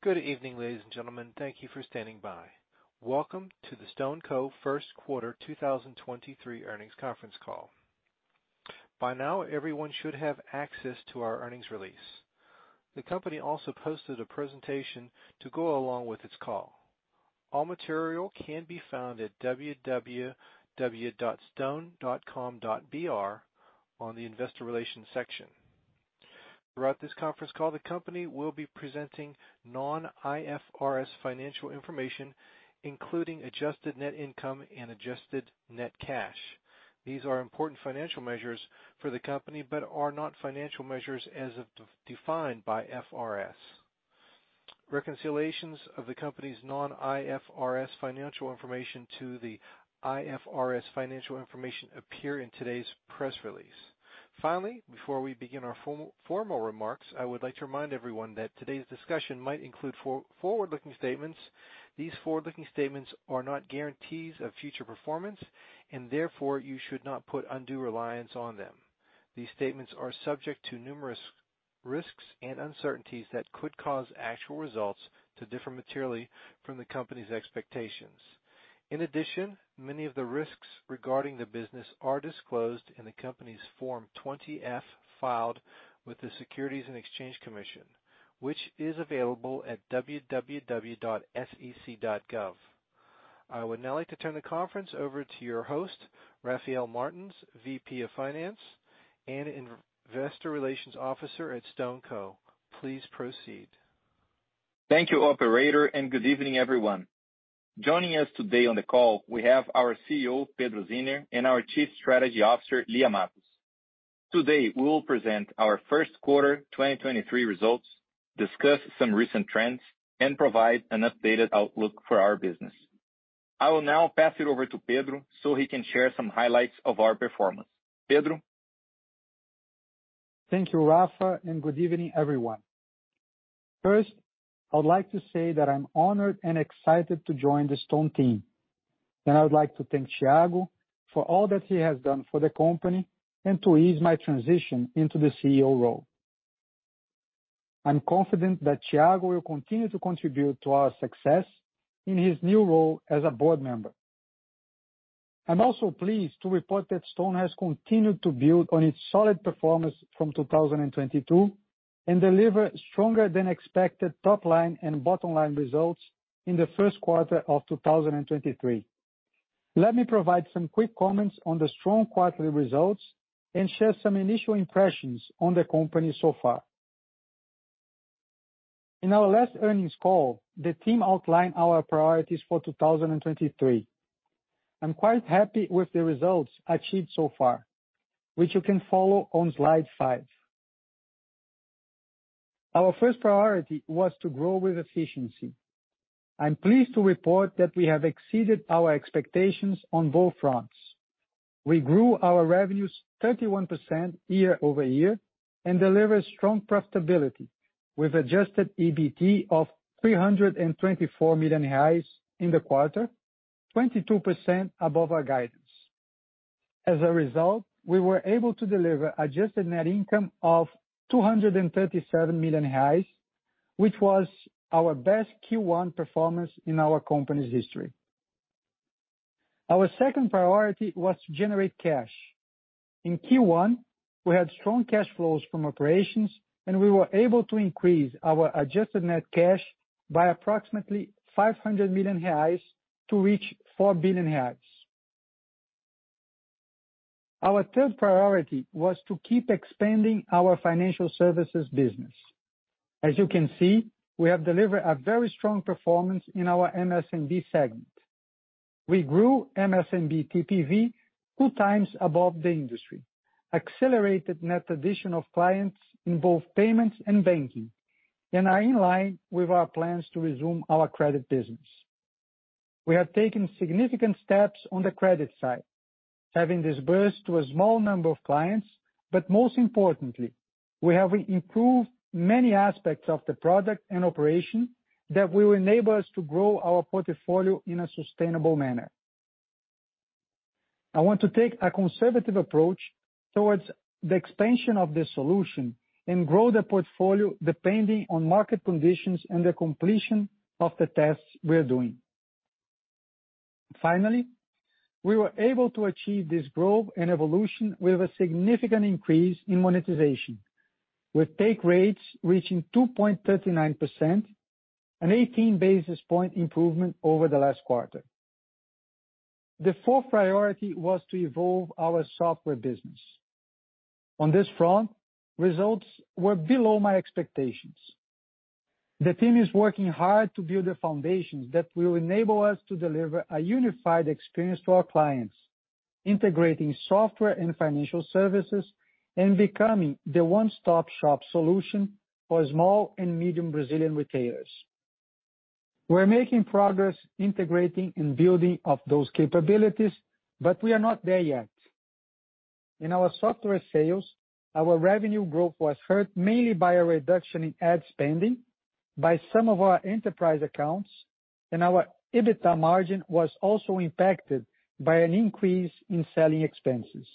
Good evening, ladies, and gentlemen. Thank you for standing by. Welcome to the StoneCo First Quarter 2023 Earnings Conference Call. By now, everyone should have access to our earnings release. The company also posted a presentation to go along with its call. All material can be found at www.stone.com.br on the Investor Relations section. Throughout this conference call, the company will be presenting non-IFRS financial information, including adjusted net income and adjusted net cash. These are important financial measures for the company, but are not financial measures as defined by IFRS. Reconciliations of the company's non-IFRS financial information to the IFRS financial information appear in today's press release. Finally, before we begin our formal remarks, I would like to remind everyone that today's discussion might include forward-looking statements. These forward-looking statements are not guarantees of future performance, and therefore, you should not put undue reliance on them. These statements are subject to numerous risks and uncertainties that could cause actual results to differ materially from the company's expectations. In addition, many of the risks regarding the business are disclosed in the company's Form 20-F filed with the Securities and Exchange Commission, which is available at www.sec.gov. I would now like to turn the conference over to your host, Rafael Martins, VP of Finance and Investor Relations Officer at StoneCo. Please proceed. Thank you, Operator, good evening, everyone. Joining us today on the call, we have our CEO, Pedro Zinner, and our Chief Strategy Officer, Lia Matos. Today, we will present our first quarter 2023 results, discuss some recent trends, and provide an updated outlook for our business. I will now pass it over to Pedro so he can share some highlights of our performance. Pedro? Thank you, Rafa, and good evening, everyone. First, I would like to say that I'm honored and excited to join the Stone team. I would like to thank Thiago for all that he has done for the company and to ease my transition into the CEO role. I'm confident that Thiago will continue to contribute to our success in his new role as a board member. I'm also pleased to report that Stone has continued to build on its solid performance from 2022 and deliver stronger than expected top line and bottom line results in the first quarter of 2023. Let me provide some quick comments on the strong quarterly results and share some initial impressions on the company so far. In our last earnings call, the team outlined our priorities for 2023. I'm quite happy with the results achieved so far, which you can follow on slide five. Our first priority was to grow with efficiency. I'm pleased to report that we have exceeded our expectations on both fronts. We grew our revenues 31% year-over-year and delivered strong profitability with Adjusted EBT of 324 million reais in the quarter, 22% above our guidance. As a result, we were able to deliver adjusted net income of 237 million reais, which was our best Q1 performance in our company's history. Our second priority was to generate cash. In Q1, we had strong cash flows from operations, and we were able to increase our adjusted net cash by approximately 500 million reais to reach 4 billion reais. Our third priority was to keep expanding our financial services business. We have delivered a very strong performance in our MSMB segment. We grew MSMB TPV two times above the industry, accelerated net addition of clients in both payments and banking, and are in line with our plans to resume our credit business. We have taken significant steps on the credit side, having disbursed to a small number of clients, most importantly, we have improved many aspects of the product and operation that will enable us to grow our portfolio in a sustainable manner. I want to take a conservative approach towards the expansion of this solution and grow the portfolio depending on market conditions and the completion of the tests we're doing. We were able to achieve this growth and evolution with a significant increase in monetization, with take rates reaching 2.39%, an 18 basis point improvement over the last quarter. The fourth priority was to evolve our software business. On this front, results were below my expectations. The team is working hard to build the foundations that will enable us to deliver a unified experience to our clients, integrating software and financial services and becoming the one-stop-shop solution for small and medium Brazilian retailers. We're making progress integrating and building up those capabilities, but we are not there yet. In our software sales, our revenue growth was hurt mainly by a reduction in ad spending by some of our enterprise accounts, and our EBITDA margin was also impacted by an increase in selling expenses.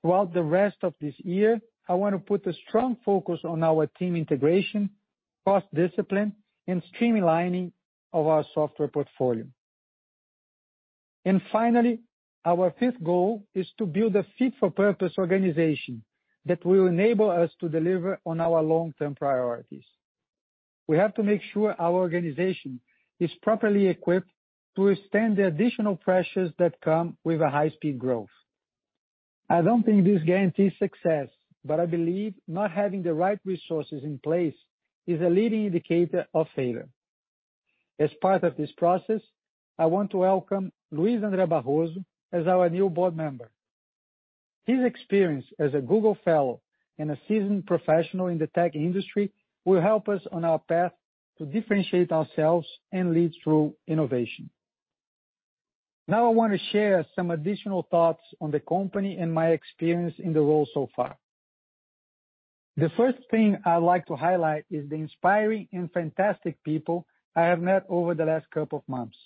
Throughout the rest of this year, I wanna put a strong focus on our team integration, cost discipline, and streamlining of our software portfolio. Finally, our fifth goal is to build a fit for purpose organization that will enable us to deliver on our long-term priorities. We have to make sure our organization is properly equipped to withstand the additional pressures that come with a high speed growth. I don't think this guarantees success, but I believe not having the right resources in place is a leading indicator of failure. As part of this process, I want to welcome Luiz André Barroso as our new board member. His experience as a Google fellow and a seasoned professional in the tech industry will help us on our path to differentiate ourselves and lead through innovation. I wanna share some additional thoughts on the company and my experience in the role so far. The first thing I'd like to highlight is the inspiring and fantastic people I have met over the last couple of months.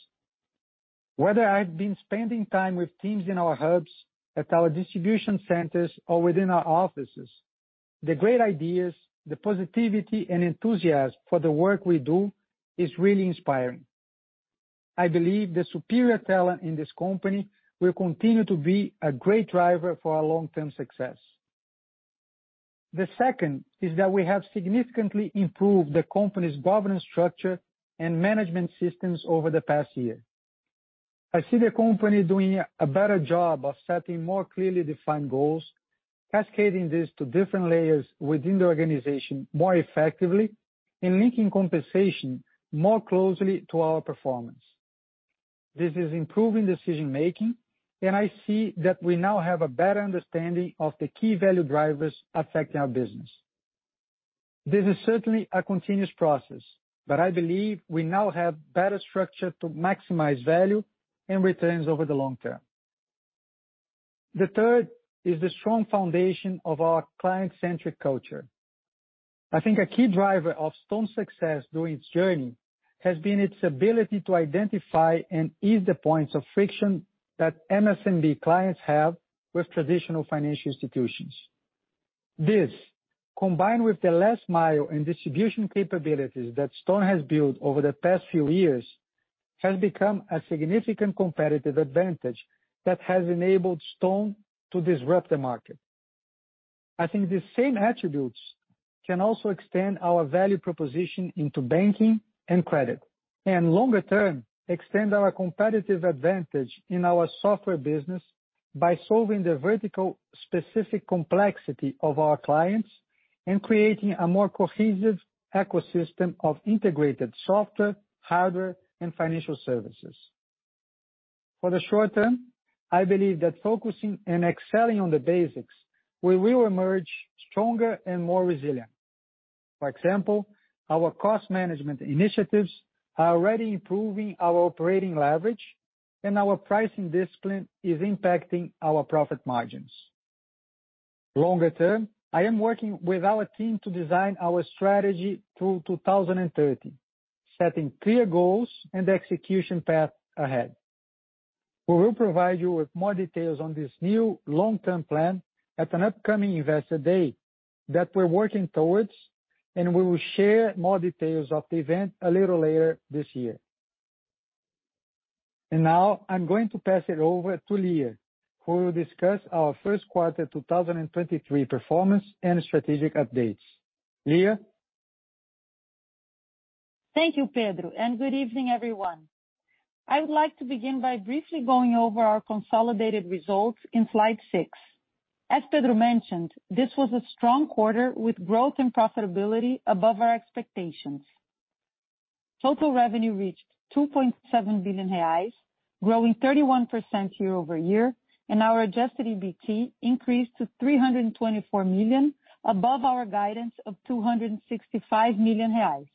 Whether I've been spending time with teams in our hubs, at our distribution centers, or within our offices, the great ideas, the positivity and enthusiasm for the work we do is really inspiring. I believe the superior talent in this company will continue to be a great driver for our long-term success. The second is that we have significantly improved the company's governance structure and management systems over the past year. I see the company doing a better job of setting more clearly defined goals, cascading this to different layers within the organization more effectively, and linking compensation more closely to our performance. This is improving decision-making, and I see that we now have a better understanding of the key value drivers affecting our business. This is certainly a continuous process, but I believe we now have better structure to maximize value and returns over the long term. The third is the strong foundation of our client-centric culture. I think a key driver of Stone success during its journey has been its ability to identify and ease the points of friction that MSMB clients have with traditional financial institutions. This, combined with the last mile and distribution capabilities that Stone has built over the past few years, has become a significant competitive advantage that has enabled Stone to disrupt the market. I think these same attributes can also extend our value proposition into banking and credit. Longer term, extend our competitive advantage in our software business by solving the vertical specific complexity of our clients and creating a more cohesive ecosystem of integrated software, hardware, and financial services. For the short term, I believe that focusing and excelling on the basics, we will emerge stronger and more resilient. For example, our cost management initiatives are already improving our operating leverage, and our pricing discipline is impacting our profit margins. Longer term, I am working with our team to design our strategy through 2030, setting clear goals and execution path ahead. We will provide you with more details on this new long-term plan at an upcoming Investor Day that we're working towards, and we will share more details of the event a little later this year. Now I'm going to pass it over to Lia, who will discuss our first quarter 2023 performance and strategic updates. Lia? Thank you, Pedro. Good evening, everyone. I would like to begin by briefly going over our consolidated results in slide six. As Pedro mentioned, this was a strong quarter with growth and profitability above our expectations. Total revenue reached 2.7 billion reais, growing 31% year-over-year. Our Adjusted EBT increased to 324 million above our guidance of 265 million reais.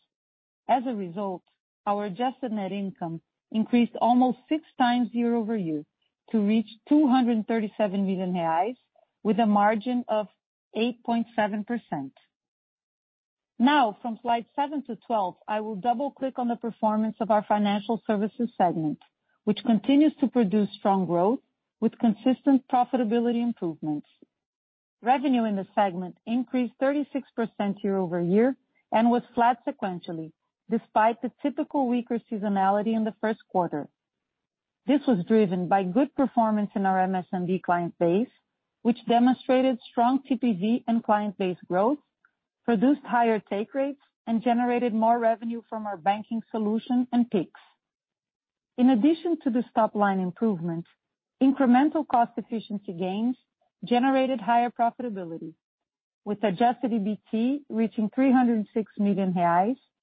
As a result, our Adjusted Net Income increased almost 6 times year-over-year to reach 237 million reais with a margin of 8.7%. Now from slide seven to 12, I will double-click on the performance of our financial services segment, which continues to produce strong growth with consistent profitability improvements. Revenue in the segment increased 36% year-over-year and was flat sequentially despite the typical weaker seasonality in the first quarter. This was driven by good performance in our MSMB client base, which demonstrated strong CPV and client base growth, produced higher take rates, and generated more revenue from our banking solution and Pix. In addition to this top line improvement, incremental cost efficiency gains generated higher profitability, with Adjusted EBT reaching 306 million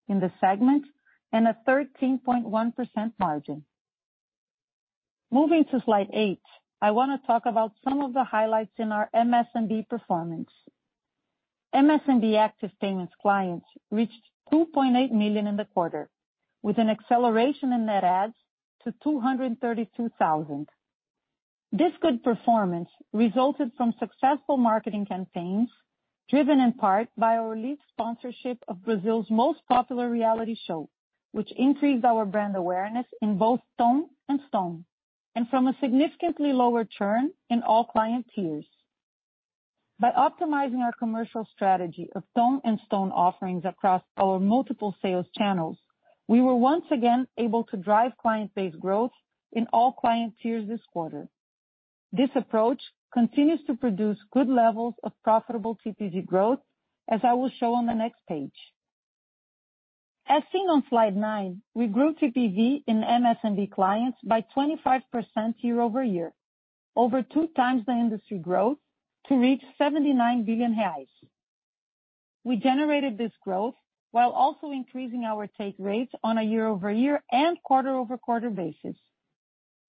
in the segment and a 13.1% margin. Moving to slide eight, I wanna talk about some of the highlights in our MSMB performance. MSMB active payments clients reached 2.8 million in the quarter, with an acceleration in net adds to 232,000. This good performance resulted from successful marketing campaigns. Driven in part by our lead sponsorship of Brazil's most popular reality show, which increased our brand awareness in both Ton and Stone, and from a significantly lower churn in all client tiers. By optimizing our commercial strategy of Ton and Stone offerings across our multiple sales channels, we were once again able to drive client base growth in all client tiers this quarter. This approach continues to produce good levels of profitable TPV growth, as I will show on the next page. As seen on slide nine, we grew TPV in MSMB clients by 25% year-over-year, over 2x the industry growth to reach 79 billion reais. We generated this growth while also increasing our take rates on a year-over-year and quarter-over-quarter basis.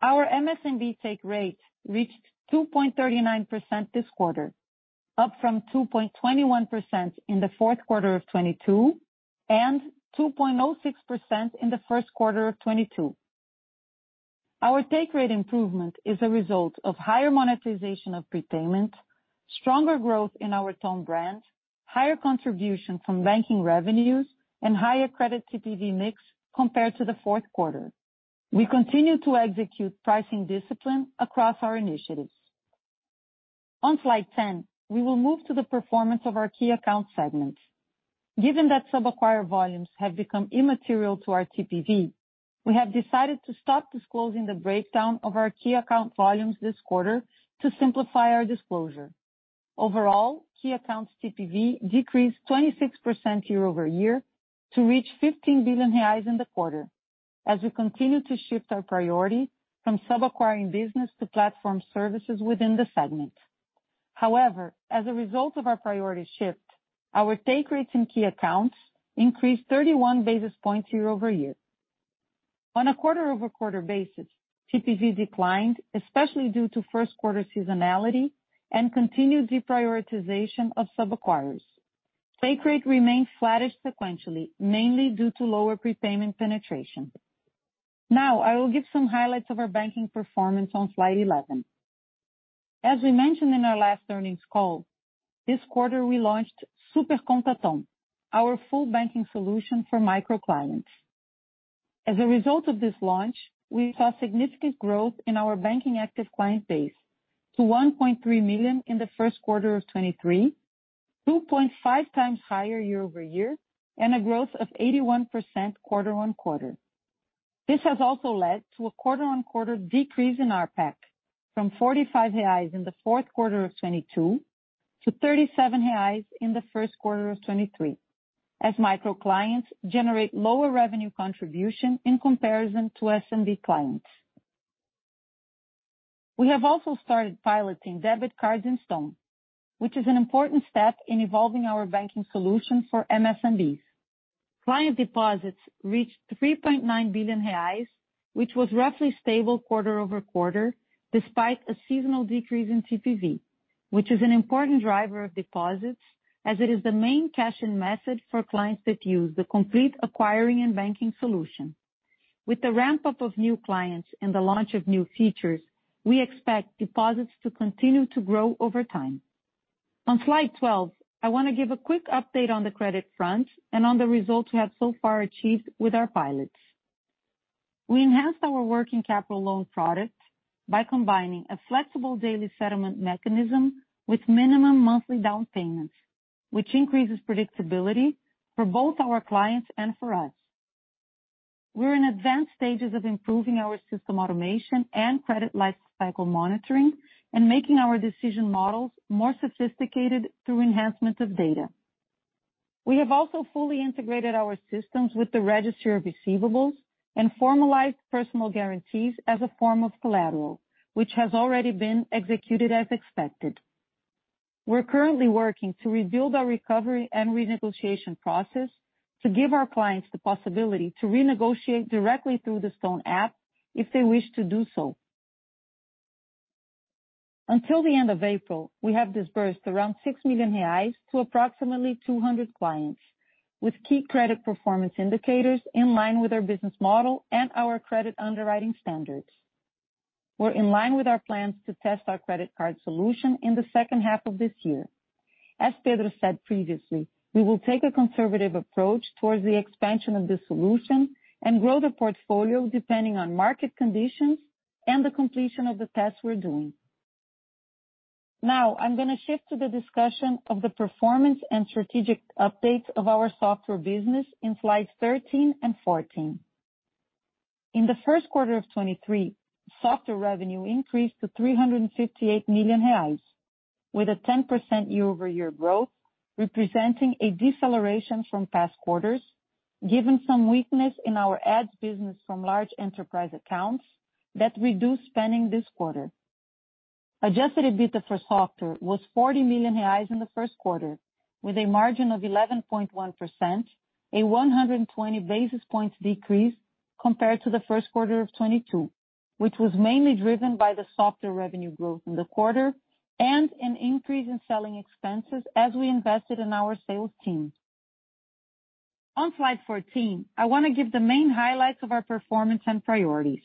Our MSMB take rate reached 2.39% this quarter, up from 2.21% in the fourth quarter of 2022, and 2.06% in the first quarter of 2022. Our take rate improvement is a result of higher monetization of prepayment, stronger growth in our Ton brand, higher contribution from banking revenues, and higher credit TPV mix compared to the fourth quarter. We continue to execute pricing discipline across our initiatives. On slide 10, we will move to the performance of our key account segment. Given that sub-acquirer volumes have become immaterial to our TPV, we have decided to stop disclosing the breakdown of our key account volumes this quarter to simplify our disclosure. Overall, key accounts TPV decreased 26% year-over-year to reach 15 billion reais in the quarter as we continue to shift our priority from sub-acquiring business to platform services within the segment. As a result of our priority shift, our take rates in key accounts increased 31 basis points year-over-year. On a quarter-over-quarter basis, TPV declined, especially due to first quarter seasonality and continued deprioritization of sub-acquirers. Take rate remains flattish sequentially, mainly due to lower prepayment penetration. I will give some highlights of our banking performance on slide 11. As we mentioned in our last earnings call, this quarter we launched Super Conta Ton, our full banking solution for micro clients. As a result of this launch, we saw significant growth in our banking active client base to 1.3 million in the first quarter of 2023, 2.5x higher year-over-year, and a growth of 81% quarter-over-quarter. This has also led to a quarter-over-quarter decrease in RPAC from 45 reais in the fourth quarter of 2022 to 37 reais in the first quarter of 2023 as micro clients generate lower revenue contribution in comparison to SMB clients. We have also started piloting debit cards in Stone, which is an important step in evolving our banking solution for MSMBs. Client deposits reached 3.9 billion reais, which was roughly stable quarter-over-quarter, despite a seasonal decrease in TPV, which is an important driver of deposits as it is the main cash in method for clients that use the complete acquiring and banking solution. With the ramp-up of new clients and the launch of new features, we expect deposits to continue to grow over time. On slide 12, I wanna give a quick update on the credit front and on the results we have so far achieved with our pilots. We enhanced our working capital loan product by combining a flexible daily settlement mechanism with minimum monthly down payments, which increases predictability for both our clients and for us. We're in advanced stages of improving our system automation and credit lifecycle monitoring and making our decision models more sophisticated through enhancement of data. We have also fully integrated our systems with the register of receivables and formalized personal guarantees as a form of collateral, which has already been executed as expected. We're currently working to rebuild our recovery and renegotiation process to give our clients the possibility to renegotiate directly through the Stone app if they wish to do so. Until the end of April, we have disbursed around 6 million reais to approximately 200 clients, with key credit performance indicators in line with our business model and our credit underwriting standards. We're in line with our plans to test our credit card solution in the second half of this year. As Pedro said previously, we will take a conservative approach towards the expansion of the solution and grow the portfolio depending on market conditions and the completion of the tests we're doing. Now I'm going to shift to the discussion of the performance and strategic updates of our software business in slides 13 and 14. In the first quarter of 2023, software revenue increased to 358 million reais with a 10% year-over-year growth, representing a deceleration from past quarters given some weakness in our ads business from large enterprise accounts that reduced spending this quarter. Adjusted EBITDA for software was 40 million reais in the first quarter, with a margin of 11.1%, a 120 basis points decrease compared to the first quarter of 2022, which was mainly driven by the software revenue growth in the quarter and an increase in selling expenses as we invested in our sales team. On slide 14, I want to give the main highlights of our performance and priorities.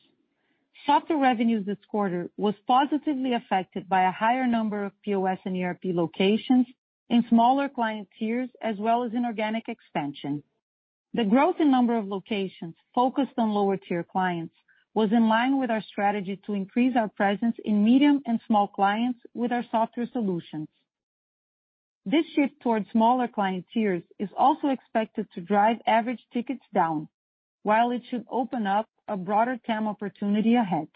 Software revenues this quarter was positively affected by a higher number of POS and ERP locations in smaller client tiers, as well as inorganic expansion. The growth in number of locations focused on lower tier clients was in line with our strategy to increase our presence in medium and small clients with our software solutions. This shift towards smaller client tiers is also expected to drive average tickets down while it should open up a broader TAM opportunity ahead.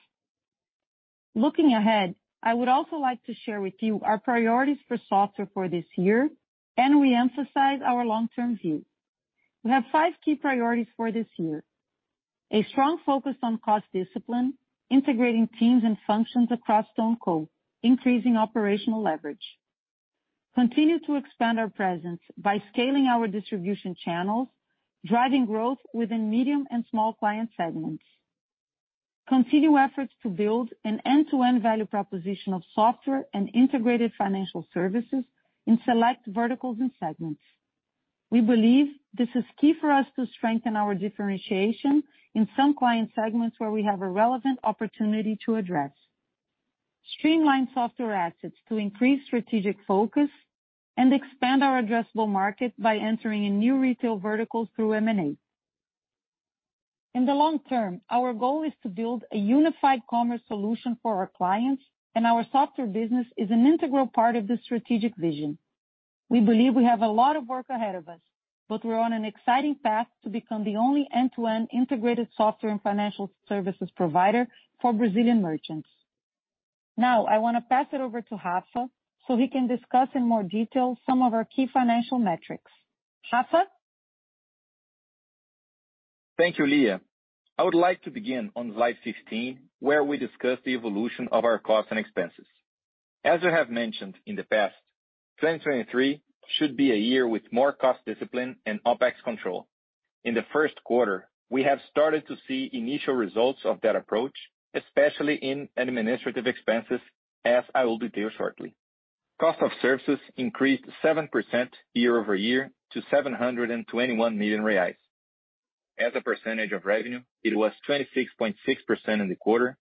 Looking ahead, I would also like to share with you our priorities for software for this year. We emphasize our long-term view. We have five key priorities for this year. A strong focus on cost discipline, integrating teams and functions across StoneCo, increasing operational leverage. Continue to expand our presence by scaling our distribution channels, driving growth within medium and small client segments. Continue efforts to build an end-to-end value proposition of software and integrated financial services in select verticals and segments. We believe this is key for us to strengthen our differentiation in some client segments where we have a relevant opportunity to address. Streamline software assets to increase strategic focus and expand our addressable market by entering in new retail verticals through M&A. In the long term, our goal is to build a unified commerce solution for our clients, and our software business is an integral part of this strategic vision. We believe we have a lot of work ahead of us, but we're on an exciting path to become the only end-to-end integrated software and financial services provider for Brazilian merchants. Now I wanna pass it over to Rafa so he can discuss in more detail some of our key financial metrics. Rafa? Thank you, Lia. I would like to begin on slide 15, where we discuss the evolution of our costs and expenses. As I have mentioned in the past, 2023 should be a year with more cost discipline and OPEX control. In the first quarter, we have started to see initial results of that approach, especially in administrative expenses, as I will detail shortly. Cost of services increased 7% year-over-year to 721 million reais. As a percentage of revenue, it was 26.6% in the quarter,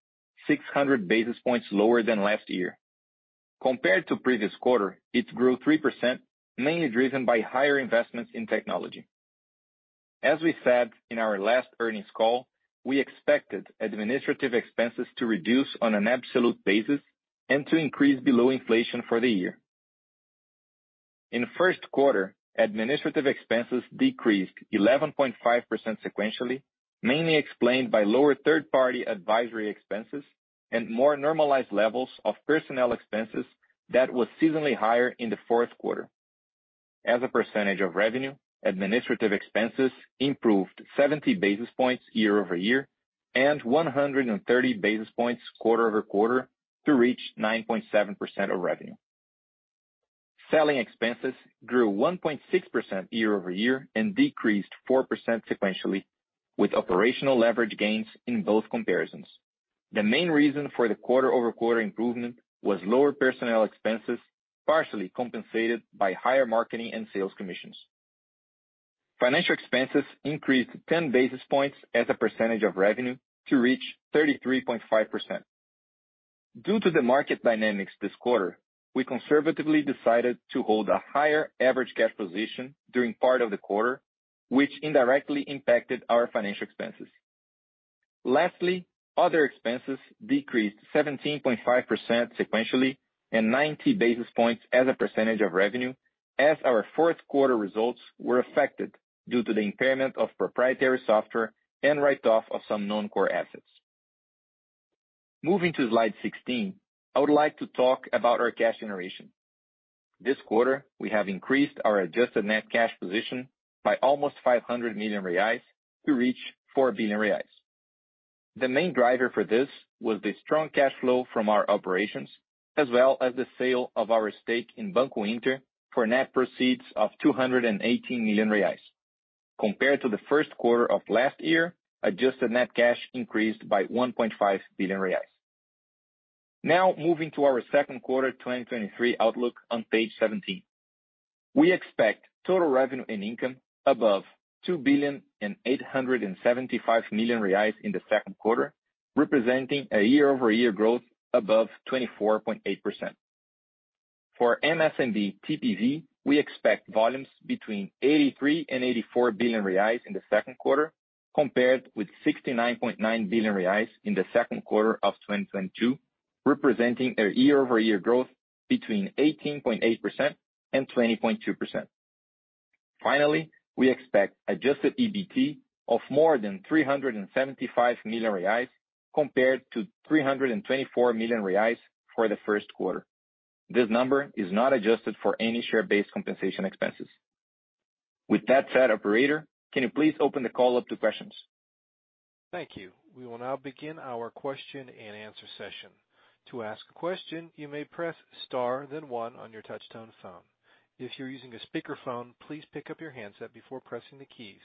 600 basis points lower than last year. Compared to previous quarter, it grew 3%, mainly driven by higher investments in technology. As we said in our last earnings call, we expected administrative expenses to reduce on an absolute basis and to increase below inflation for the year. In first quarter, administrative expenses decreased 11.5% sequentially, mainly explained by lower third-party advisory expenses and more normalized levels of personnel expenses that was seasonally higher in the fourth quarter. As a percentage of revenue, administrative expenses improved 70 basis points year-over-year and 130 basis points quarter-over-quarter to reach 9.7% of revenue. Selling expenses grew 1.6% year-over-year and decreased 4% sequentially, with operational leverage gains in both comparisons. The main reason for the quarter-over-quarter improvement was lower personnel expenses, partially compensated by higher marketing and sales commissions. Financial expenses increased 10 basis points as a percentage of revenue to reach 33.5%. Due to the market dynamics this quarter, we conservatively decided to hold a higher average cash position during part of the quarter, which indirectly impacted our financial expenses. Lastly, other expenses decreased 17.5% sequentially and 90 basis points as a percentage of revenue as our fourth quarter results were affected due to the impairment of proprietary software and write-off of some non-core assets. Moving to slide 16, I would like to talk about our cash generation. This quarter, we have increased our adjusted net cash position by almost 500 million reais to reach 4 billion reais. The main driver for this was the strong cash flow from our operations as well as the sale of our stake in Banco Inter for net proceeds of 218 million reais. Compared to the first quarter of last year, adjusted net cash increased by 1.5 billion reais. Now moving to our second quarter 2023 outlook on page 17. We expect total revenue and income above 2.875 billion in the second quarter, representing a year-over-year growth above 24.8%. For MSMB TPV, we expect volumes between 83 billion and 84 billion reais in the second quarter compared with 69.9 billion reais in the second quarter of 2022, representing a year-over-year growth between 18.8% and 20.2%. Finally, we expect Adjusted EBT of more than 375 million reais compared to 324 million reais for the first quarter. This number is not adjusted for any share-based compensation expenses. With that said, Operator, can you please open the call up to questions? Thank you. We will now begin our question-and-answer session. To ask a question, you may press star then one on your touchtone phone. If you're using a speakerphone, please pick up your handset before pressing the keys.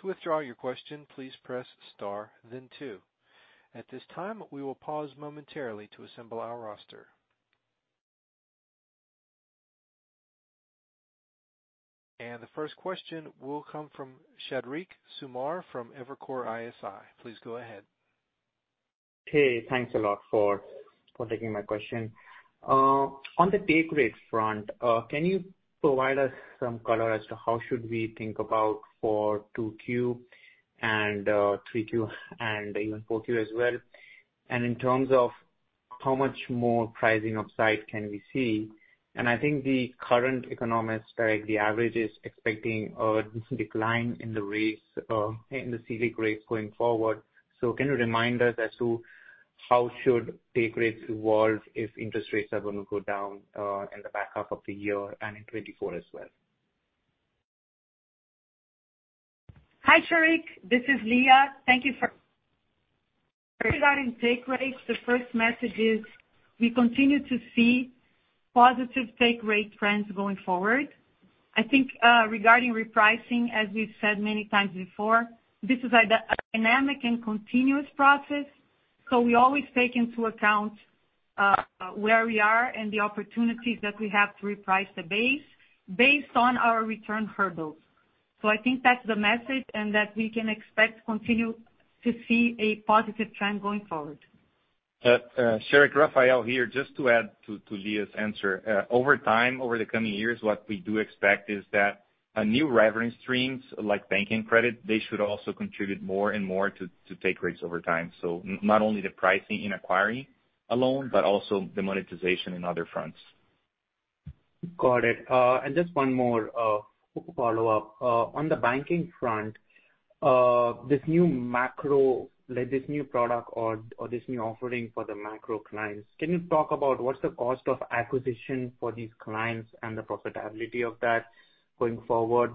To withdraw your question, please press star then two. At this time, we will pause momentarily to assemble our roster. And the first question will come from Sheriq Sumar from Evercore ISI. Please go ahead. Hey, thanks a lot for taking my question. On the take rate front, can you provide us some color as to how should we think about for 2Q and 3Q and even 4Q as well? In terms of how much more pricing upside can we see? I think the current economic spread, the average is expecting a decline in the rates in the CDI rates going forward. Can you remind us as to how should take rates evolve if interest rates are gonna go down in the back half of the year and in 2024 as well? Hi, Sheriq, this is Lia. Thank you. Regarding take rates, the first message is we continue to see positive take rate trends going forward. I think regarding repricing, as we've said many times before, this is a dynamic and continuous process, so we always take into account where we are and the opportunities that we have to reprice the base based on our return hurdles. I think that's the message, and that we can expect to continue to see a positive trend going forward. Sheriq, Rafael here. Just to add to Lia's answer. Over time, over the coming years, what we do expect is that a new revenue streams like banking credit, they should also contribute more and more to take rates over time. Not only the pricing in acquiring a loan, but also the monetization in other fronts. Got it. Just one more, follow-up. On the banking front, like this new product or this new offering for the micro-clients, can you talk about what's the cost of acquisition for these clients and the profitability of that going forward?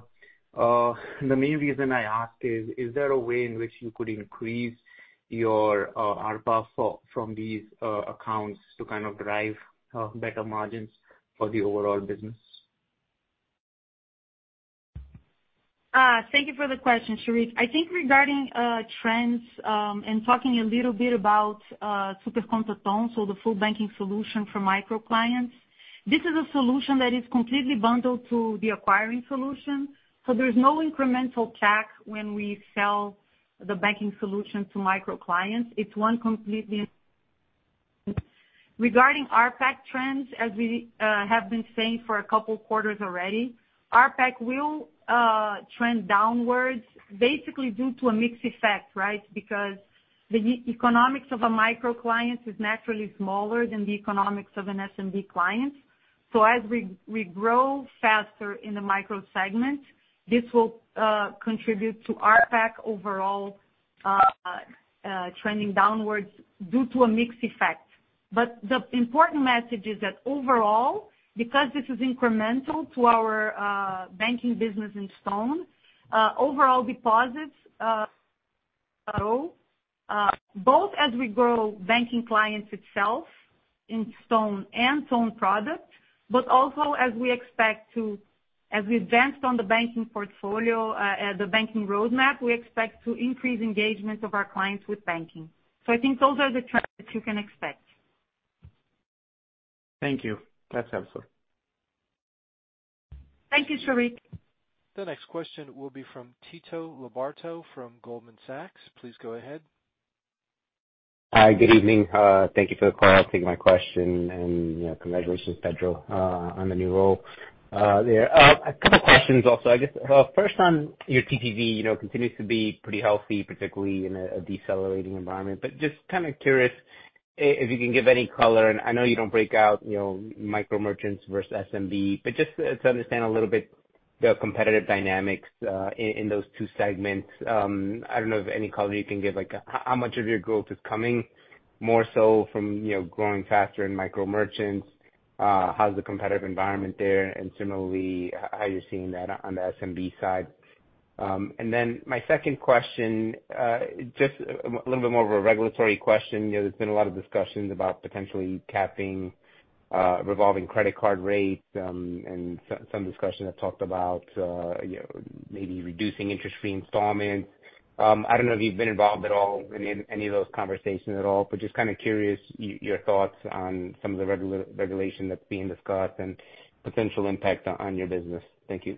The main reason I ask is there a way in which you could increase your ARPA from these accounts to kind of drive better margins for the overall business? Thank you for the question, Sheriq. I think regarding trends, talking a little bit about Super Conta Ton, so the full banking solution for micro clients, this is a solution that is completely bundled to the acquiring solution, so there's no incremental CAC when we sell the banking solution to micro clients. It's one completely. Regarding RPAC trends, as we have been saying for a couple quarters already, RPAC will trend downwards basically due to a mix effect, right? Because the e-economics of a micro client is naturally smaller than the economics of an SMB client. As we grow faster in the micro segment, this will contribute to RPAC overall trending downwards due to a mix effect. The important message is that overall, because this is incremental to our banking business in Stone, overall deposits, both as we grow banking clients itself in Stone and Stone product, but also as we advance on the banking portfolio, the banking roadmap, we expect to increase engagement of our clients with banking. I think those are the trends that you can expect. Thank you. That's helpful. Thank you, Sheriq. The next question will be from Tito Labarta from Goldman Sachs. Please go ahead. Hi. Good evening. Thank you for the call. Thank you for taking my question and, you know, congratulations, Pedro, on the new role, there. A couple questions also, I guess. First on your TPV, you know, continues to be pretty healthy, particularly in a decelerating environment. Just kinda curious if you can give any color, and I know you don't break out, you know, micro merchants versus SMB, but just to understand a little bit the competitive dynamics, in those two segments. I don't know if any color you can give, like how much of your growth is coming more so from, you know, growing faster in micro merchants, how's the competitive environment there, and similarly, how you're seeing that on the SMB side. My second question, just a little bit more of a regulatory question. You know, there's been a lot of discussions about potentially capping revolving credit card rates, some discussions have talked about, you know, maybe reducing interest-free installments. I don't know if you've been involved at all in any of those conversations at all, but just kinda curious your thoughts on some of the regulation that's being discussed and potential impact on your business. Thank you.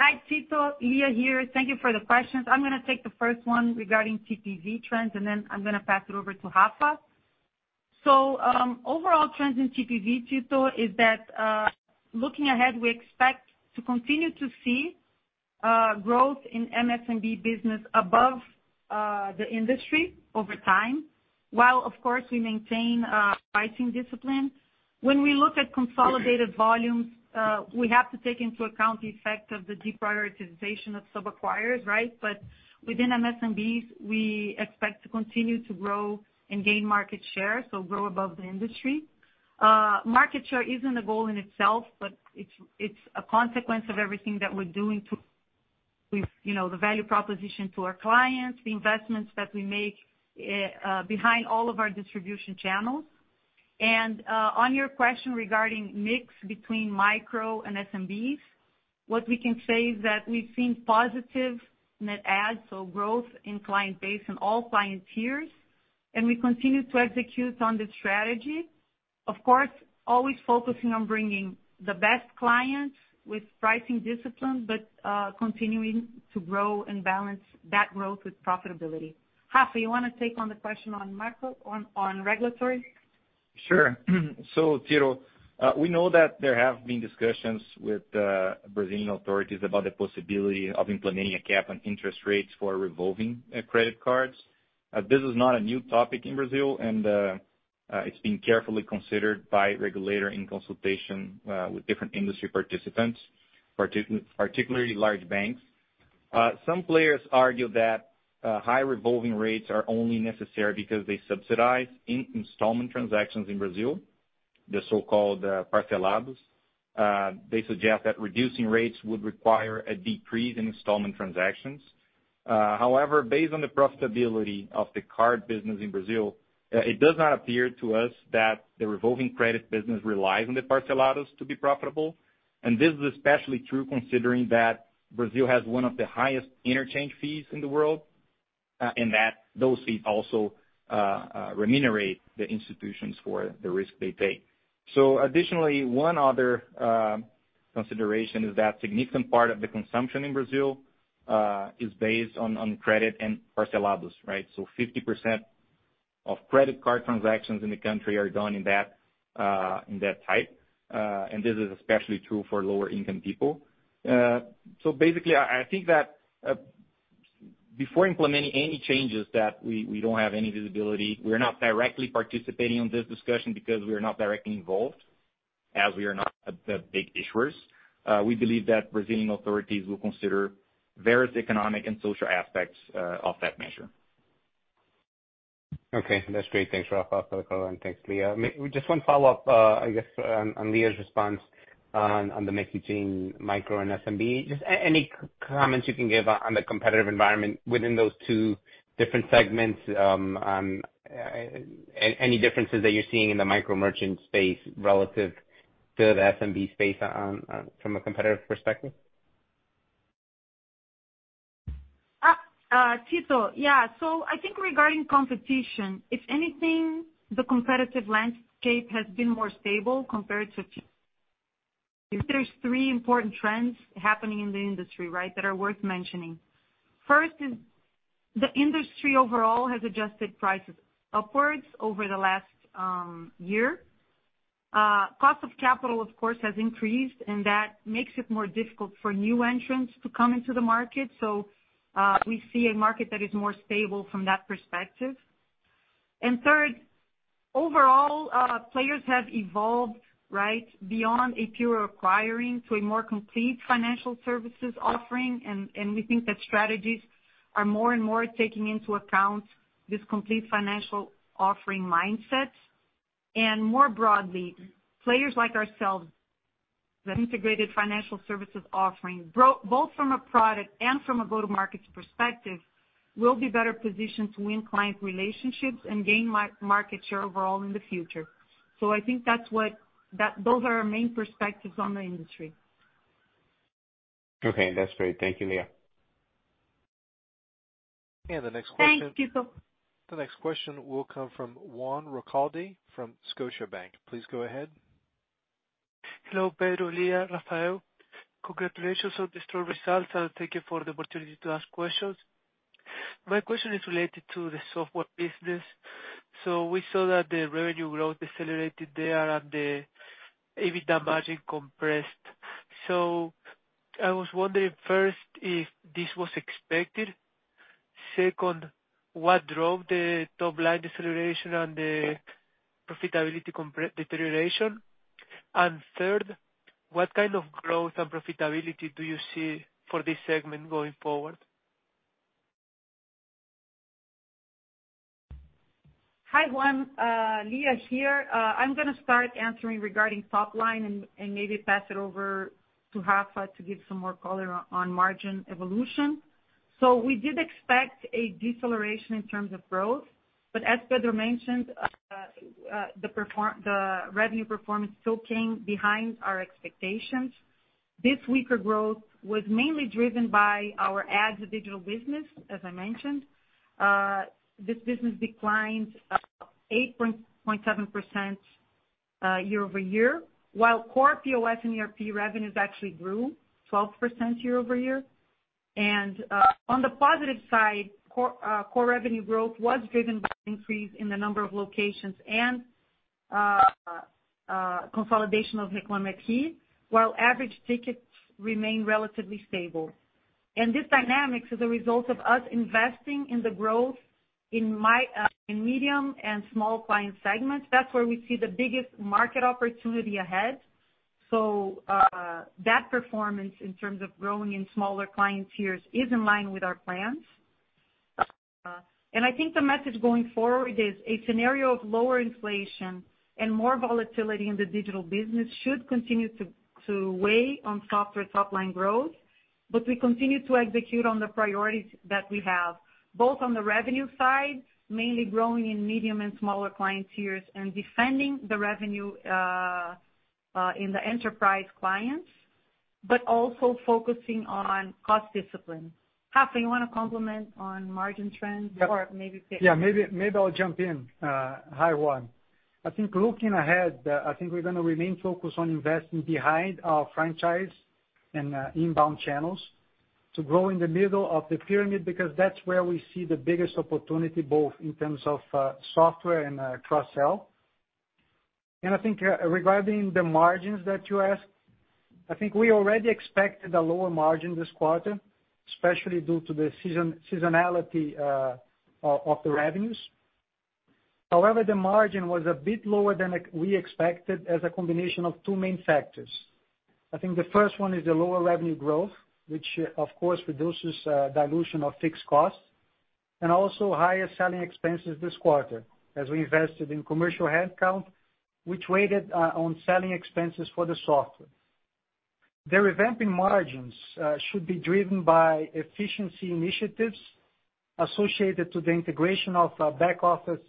Hi, Tito. Lia here. Thank you for the questions. I'm gonna take the first one regarding TPV trends, and then I'm gonna pass it over to Rafa. Overall trends in TPV, Tito, is that looking ahead, we expect to continue to see growth in MSMB business above the industry over time, while of course we maintain pricing discipline. When we look at consolidated volumes, we have to take into account the effect of the deprioritization of sub-acquirers, right? Within MSMBs, we expect to continue to grow and gain market share, so grow above the industry. Market share isn't a goal in itself, but it's a consequence of everything that we're doing with, you know, the value proposition to our clients, the investments that we make behind all of our distribution channels. On your question regarding mix between micro and SMBs. What we can say is that we've seen positive net adds, so growth in client base in all client tiers, and we continue to execute on the strategy. Of course, always focusing on bringing the best clients with pricing discipline, but, continuing to grow and balance that growth with profitability. Rafa, you wanna take on the question on micro on regulatory? Sure. Tito, we know that there have been discussions with Brazilian authorities about the possibility of implementing a cap on interest rates for revolving credit cards. This is not a new topic in Brazil and it's been carefully considered by regulator in consultation with different industry participants, particularly large banks. Some players argue that high revolving rates are only necessary because they subsidize installment transactions in Brazil, the so-called parcelados. They suggest that reducing rates would require a decrease in installment transactions. However, based on the profitability of the card business in Brazil, it does not appear to us that the revolving credit business relies on the parcelados to be profitable. And this is especially true considering that Brazil has one of the highest interchange fees in the world, and that those fees also remunerate the institutions for the risk they take. Additionally, one other consideration is that significant part of the consumption in Brazil is based on credit and parcelados, right? So 50% of credit card transactions in the country are done in that type. And this is especially true for lower income people. So basically, I think that before implementing any changes that we don't have any visibility, we're not directly participating on this discussion because we are not directly involved, as we are not the big issuers. We believe that Brazilian authorities will consider various economic and social aspects of that measure Okay. That's great. Thanks Rafael Martins for the color and thanks Lia. Just one follow-up, I guess on Lia's response on the merchant, micro and SMB. Just any comments you can give on the competitive environment within those two different segments? Any differences that you're seeing in the micro merchant space relative to the SMB space, from a competitive perspective? Tito, yeah. I think regarding competition, if anything, the competitive landscape has been more stable compared to two years. There's three important trends happening in the industry, right, that are worth mentioning. First, the industry overall has adjusted prices upwards over the last year. Cost of capital of course has increased, and that makes it more difficult for new entrants to come into the market. We see a market that is more stable from that perspective. Third, overall, players have evolved, right, beyond a pure acquiring to a more complete financial services offering. We think that strategies are more and more taking into account this complete financial offering mindset. More broadly, players like ourselves, the integrated financial services offering, both from a product and from a go-to-markets perspective, will be better positioned to win client relationships and gain market share overall in the future. I think that's what those are our main perspectives on the industry. Okay. That's great. Thank you, Lia. Thanks, Tito. The next question will come from Juan Recalde from Scotiabank. Please go ahead. Hello, Pedro, Lia, Rafael. Congratulations on the strong results, and thank you for the opportunity to ask questions. My question is related to the software business. We saw that the revenue growth decelerated there and the EBITDA margin compressed. I was wondering, first, if this was expected. Second, what drove the top line deceleration and the profitability deterioration? Third, what kind of growth and profitability do you see for this segment going forward? Hi, Juan. Lia here. I'm going to start answering regarding top line and maybe pass it over to Rafa to give some more color on margin evolution. We did expect a deceleration in terms of growth, but as Pedro mentioned, the revenue performance still came behind our expectations. This weaker growth was mainly driven by our ads digital business, as I mentioned. This business declined 8.7% year-over-year, while core POS and ERP revenues actually grew 12% year-over-year. On the positive side, core revenue growth was driven by increase in the number of locations and consolidation of Nexa Tecnologia, while average tickets remained relatively stable. This dynamics is a result of us investing in the growth in medium and small client segments. That's where we see the biggest market opportunity ahead. That performance in terms of growing in smaller client tiers is in line with our plans. And I think the message going forward is a scenario of lower inflation and more volatility in the digital business should continue to weigh on software top line growth. We continue to execute on the priorities that we have, both on the revenue side, mainly growing in medium and smaller client tiers and defending the revenue in the enterprise clients, but also focusing on cost discipline. Rafa, you wanna complement on margin trends or maybe pick. Yeah, maybe I'll jump in. Hi, Juan. I think looking ahead, I think we're gonna remain focused on investing behind our franchise and inbound channels to grow in the middle of the pyramid because that's where we see the biggest opportunity, both in terms of software and cross-sell. I think regarding the margins that you asked, I think we already expected a lower margin this quarter, especially due to the seasonality of the revenues. However, the margin was a bit lower than we expected as a combination of two main factors. I think the first one is the lower revenue growth, which of course reduces dilution of fixed costs, and also higher selling expenses this quarter as we invested in commercial headcount, which weighted on selling expenses for the software. The revamping margins should be driven by efficiency initiatives associated to the integration of back office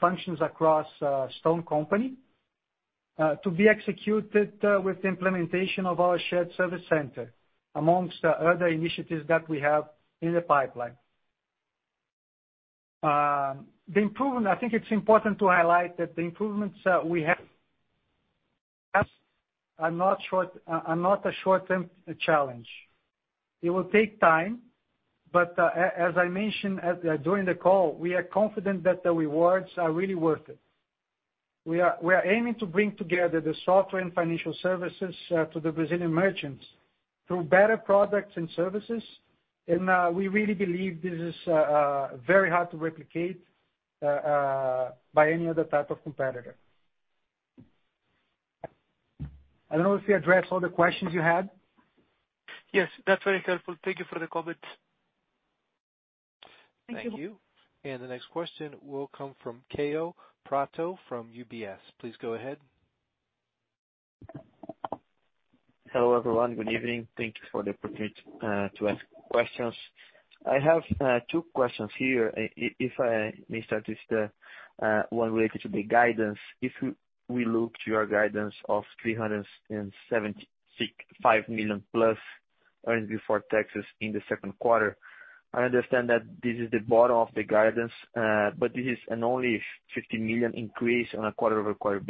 functions across StoneCo, to be executed with the implementation of our shared service center amongst other initiatives that we have in the pipeline. I think it's important to highlight that the improvements we have are not a short-term challenge. It will take time, but as I mentioned during the call, we are confident that the rewards are really worth it. We are aiming to bring together the software and financial services to the Brazilian merchants through better products and services. We really believe this is very hard to replicate by any other type of competitor. I don't know if we addressed all the questions you had. Yes, that's very helpful. Thank you for the comments. Thank you. Thank you. The next question will come from Kaio Prato from UBS. Please go ahead. Hello, everyone. Good evening. Thank you for the opportunity to ask questions. I have two questions here. If I may start with the one related to the guidance. If we look to your guidance of 376.5 million+ earnings before taxes in the second quarter, I understand that this is the bottom of the guidance, but this is an only 50 million increase on a quarter-over-quarter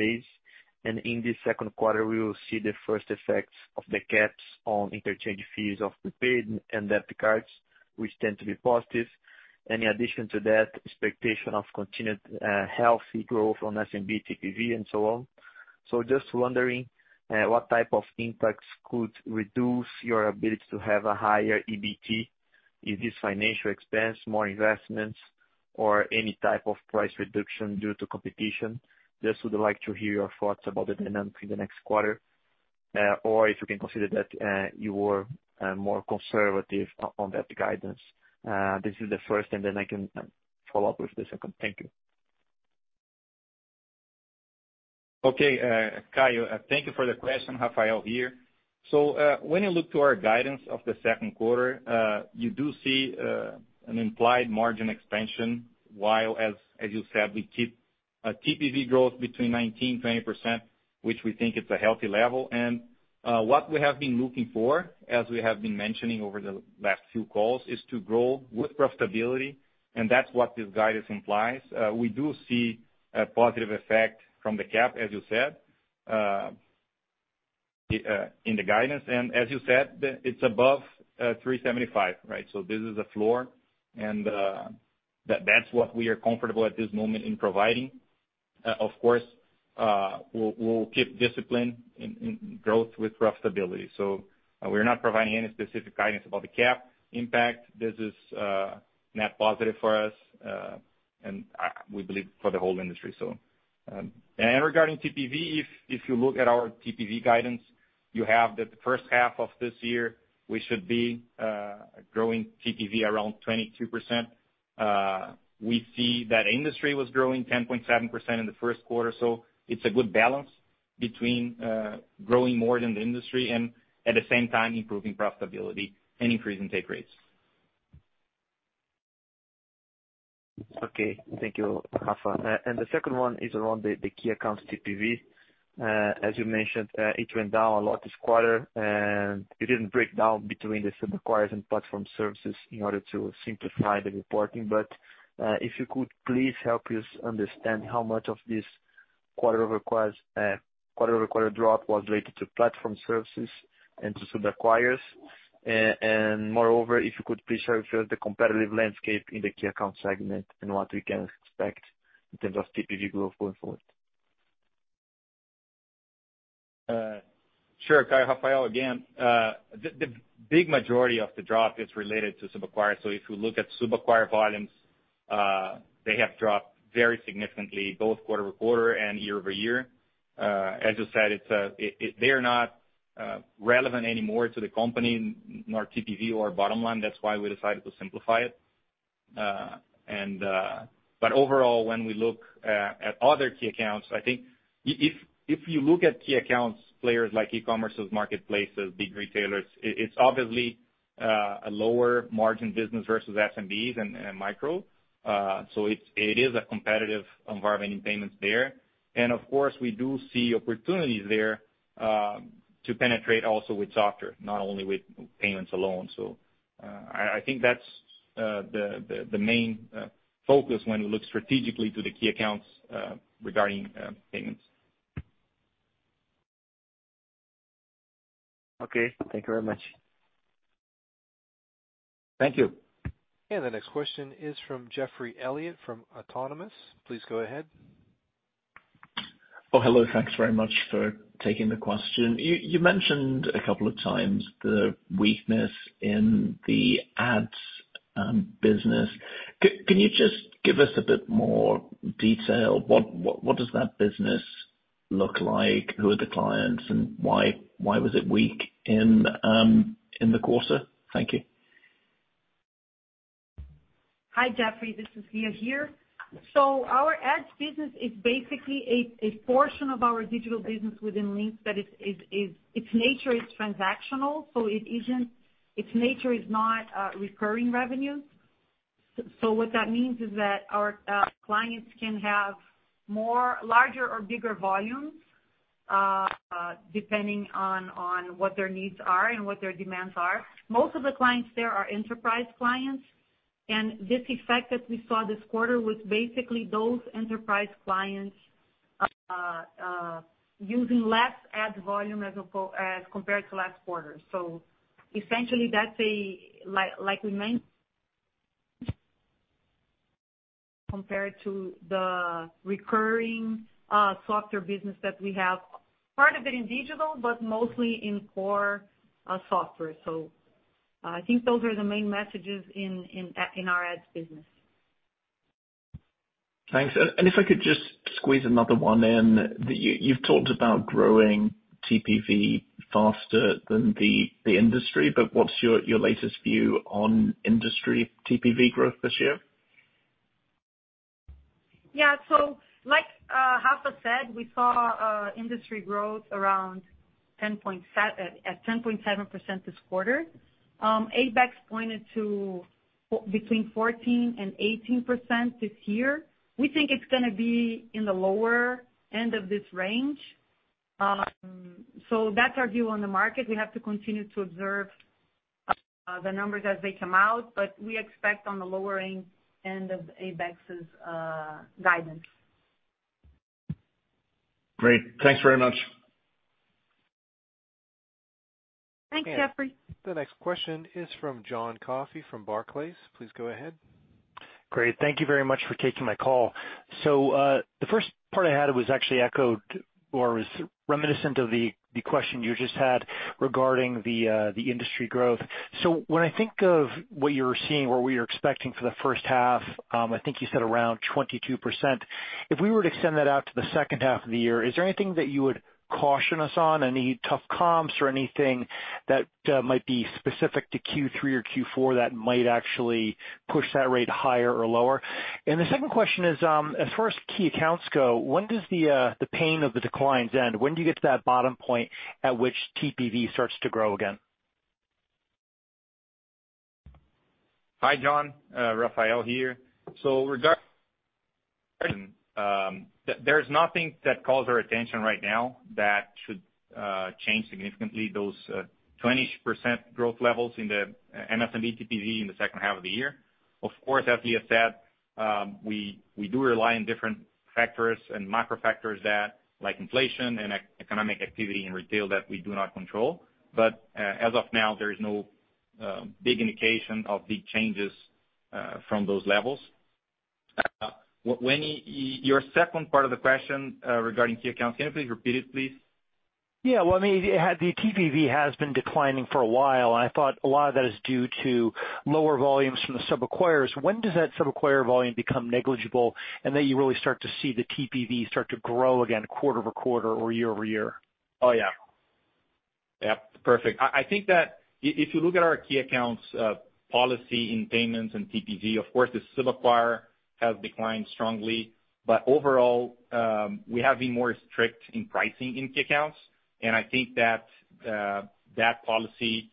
base. In this second quarter we will see the first effects of the caps on interchange fees of the Pix and debit cards, which tend to be positive. In addition to that, expectation of continued healthy growth on SMB TPV and so on. Just wondering what type of impacts could reduce your ability to have a higher EBT? Is this financial expense, more investments or any type of price reduction due to competition? Would like to hear your thoughts about the dynamics in the next quarter, if you can consider that you were more conservative on that guidance. This is the first. Then I can follow up with the second. Thank you. Okay. Kaio, thank you for the question. Rafael here. When you look to our guidance of the second quarter, you do see an implied margin expansion, while as you said, we keep a TPV growth between 19%-20%, which we think it's a healthy level. What we have been looking for, as we have been mentioning over the last few calls, is to grow with profitability, and that's what this guidance implies. We do see a positive effect from the cap, as you said, in the guidance. As you said, it's above 375, right? This is the floor and that's what we are comfortable at this moment in providing. Of course, we'll keep discipline in growth with profitability. We're not providing any specific guidance about the cap impact. This is net positive for us and we believe for the whole industry. Regarding TPV, if you look at our TPV guidance, you have that the first half of this year, we should be growing TPV around 22%. We see that industry was growing 10.7% in the first quarter. It's a good balance between growing more than the industry and at the same time improving profitability and increasing take rates. Okay. Thank you, Rafa. The second one is around the key accounts TPV. As you mentioned, it went down a lot this quarter and you didn't break down between the sub-acquirers and platform services in order to simplify the reporting. If you could, please help us understand how much of this quarter-over-quarter drop was related to platform services and to sub-acquirers. Moreover, if you could please share with us the competitive landscape in the key account segment and what we can expect in terms of TPV growth going forward. Sure. Kaio, Rafael again. The big majority of the drop is related to sub-acquirer. If you look at sub-acquirer volumes, they have dropped very significantly, both quarter-over-quarter and year-over-year. As you said, it's, they are not relevant anymore to the company nor TPV or bottom line. That's why we decided to simplify it. But overall, when we look at other key accounts, I think if you look at key accounts players like e-commerce's marketplaces, big retailers, it's obviously a lower margin business versus SMBs and micro. So it's a competitive environment in payments there. Of course, we do see opportunities there to penetrate also with software, not only with payments alone. I think that's the main focus when we look strategically to the key accounts regarding payments. Okay. Thank you very much. Thank you. The next question is from Geoffrey Elliott from Autonomous Research. Please go ahead. Hello. Thanks very much for taking the question. You mentioned a couple of times the weakness in the ads business. Can you just give us a bit more detail? What does that business look like? Who are the clients, and why was it weak in the quarter? Thank you. Hi, Geoffrey. This is Lia here. Our ads business is basically a portion of our digital business within Linx that its nature is transactional, so its nature is not recurring revenue. What that means is that our clients can have more larger or bigger volumes depending on what their needs are and what their demands are. Most of the clients there are enterprise clients, this effect that we saw this quarter was basically those enterprise clients using less ad volume as compared to last quarter. Essentially that's a compared to the recurring software business that we have part of it in digital, but mostly in core software. I think those are the main messages in our ads business. Thanks. If I could just squeeze another one in. You've talked about growing TPV faster than the industry, but what's your latest view on industry TPV growth this year? Like Rafa said, we saw industry growth around 10.7% this quarter. ABECS pointed between 14% and 18% this year. We think it's gonna be in the lower end of this range. That's our view on the market. We have to continue to observe the numbers as they come out, but we expect on the lower end of ABECS' guidance. Great. Thanks very much. Thanks, Geoffrey. The next question is from John Coffey from Barclays. Please go ahead. Great. Thank you very much for taking my call. The first part I had was actually echoed or was reminiscent of the question you just had regarding the industry growth. When I think of what you're seeing or what you're expecting for the first half, I think you said around 22%. If we were to extend that out to the second half of the year, is there anything that you would caution us on, any tough comps or anything that might be specific to Q3 or Q4 that might actually push that rate higher or lower? The second question is, as far as key accounts go, when does the pain of the declines end? When do you get to that bottom point at which TPV starts to grow again? Hi, John. Rafael here. There's nothing that calls our attention right now that should change significantly, those 20% growth levels in the MSMB TPV in the second half of the year. Of course, as Lia said, we do rely on different factors and macro factors that like inflation and economic activity in retail that we do not control. As of now, there is no big indication of big changes from those levels. When your second part of the question, regarding key accounts, can you please repeat it, please? Well, I mean, the TPV has been declining for a while. I thought a lot of that is due to lower volumes from the sub-acquirers. When does that sub-acquirer volume become negligible, and then you really start to see the TPV start to grow again quarter-over-quarter or year-over-year? Yeah. Yep, perfect. I think that if you look at our key accounts, policy in payments and TPV, of course, the sub-acquirer has declined strongly. Overall, we have been more strict in pricing in key accounts, and I think that that policy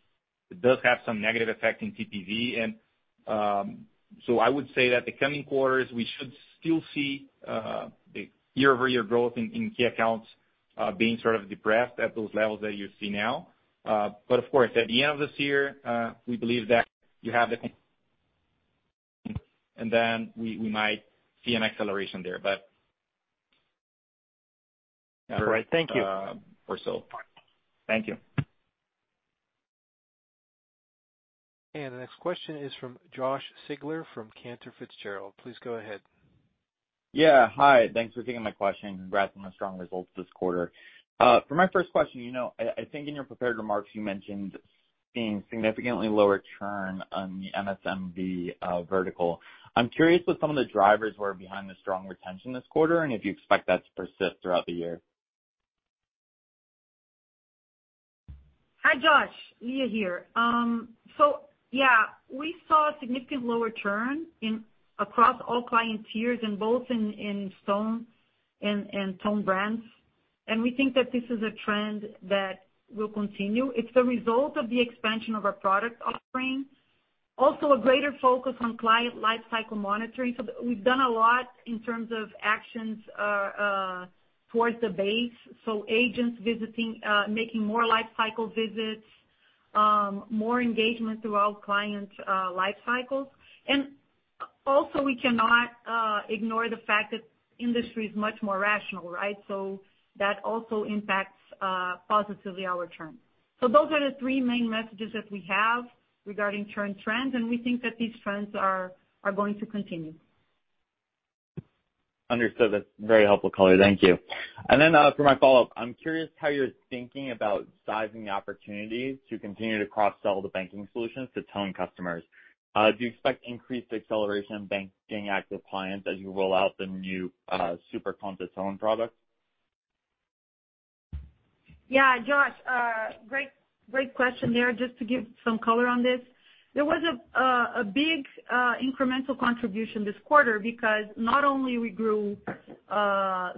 does have some negative effect in TPV. I would say that the coming quarters, we should still see the year-over-year growth in key accounts, being sort of depressed at those levels that you see now. Of course, at the end of this year, we believe that you have the and then we might see an acceleration there. All right. Thank you. Thank you. The next question is from Josh Siegler from Cantor Fitzgerald. Please go ahead. Yeah. Hi. Thanks for taking my question. Congrats on the strong results this quarter. For my first question, you know, I think in your prepared remarks, you mentioned seeing significantly lower churn on the MSMB vertical. I'm curious what some of the drivers were behind the strong retention this quarter and if you expect that to persist throughout the year? Hi, Josh. Lia here. Yeah, we saw a significant lower churn in, across all client tiers and both in Stone and Ton brands. We think that this is a trend that will continue. It's the result of the expansion of our product offering. Also a greater focus on client life cycle monitoring. We've done a lot in terms of actions towards the base. Agents visiting, making more life cycle visits, more engagement throughout client life cycles. Also we cannot ignore the fact that industry is much more rational, right? That also impacts positively our churn. Those are the three main messages that we have regarding churn trends, and we think that these trends are going to continue. Understood. That's very helpful color. Thank you. For my follow-up, I'm curious how you're thinking about sizing the opportunities to continue to cross-sell the banking solutions to Ton customers. Do you expect increased acceleration of banking active clients as you roll out the new, Super Conta Ton product? Yeah. Josh, great question there. Just to give some color on this. There was a big incremental contribution this quarter because not only we grew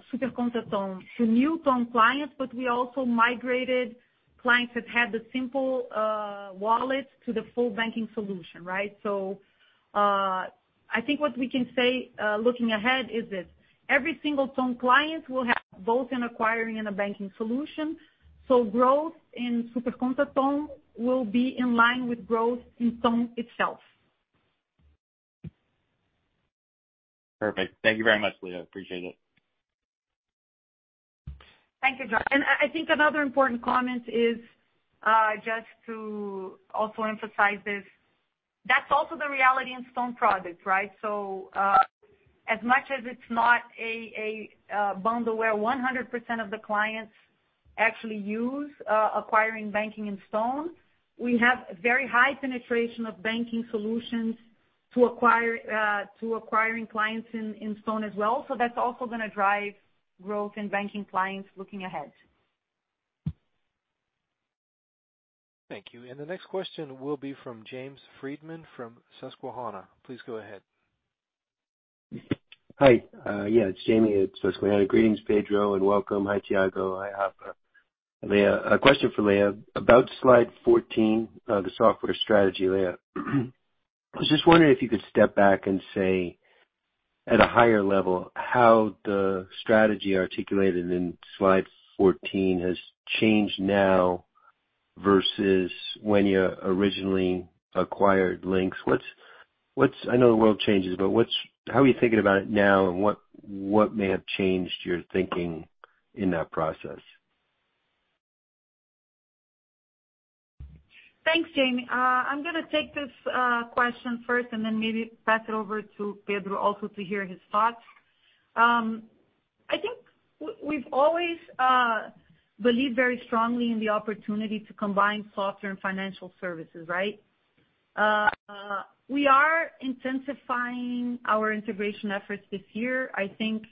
Super Conta Ton to new Ton clients, but we also migrated clients that had the simple wallet to the full banking solution, right? I think what we can say looking ahead is that every single Ton client will have both an acquiring and a banking solution. Growth in Super Conta Ton will be in line with growth in Ton itself. Perfect. Thank you very much, Lia. Appreciate it. Thank you, Josh. I think another important comment is just to also emphasize this. That's also the reality in Stone products, right? As much as it's not a bundle where 100% of the clients actually use acquiring banking in Stone, we have very high penetration of banking solutions to acquire to acquiring clients in Stone as well. That's also gonna drive growth in banking clients looking ahead. Thank you. The next question will be from Jamie Friedman from Susquehanna. Please go ahead. Hi. Yeah, it's Jamie at Susquehanna. Greetings, Pedro, and welcome. Hi, Thiago. Hi, Rafa and Lia. A question for Lia. About slide 14, the software strategy layout. I was just wondering if you could step back and say, at a higher level, how the strategy articulated in slide 14 has changed now versus when you originally acquired Linx. What's, I know the world changes, but what's how are you thinking about it now and what may have changed your thinking in that process? Thanks, Jamie. I'm gonna take this question first and then maybe pass it over to Pedro Zinner also to hear his thoughts. I think we've always believed very strongly in the opportunity to combine software and financial services, right? We are intensifying our integration efforts this year. I think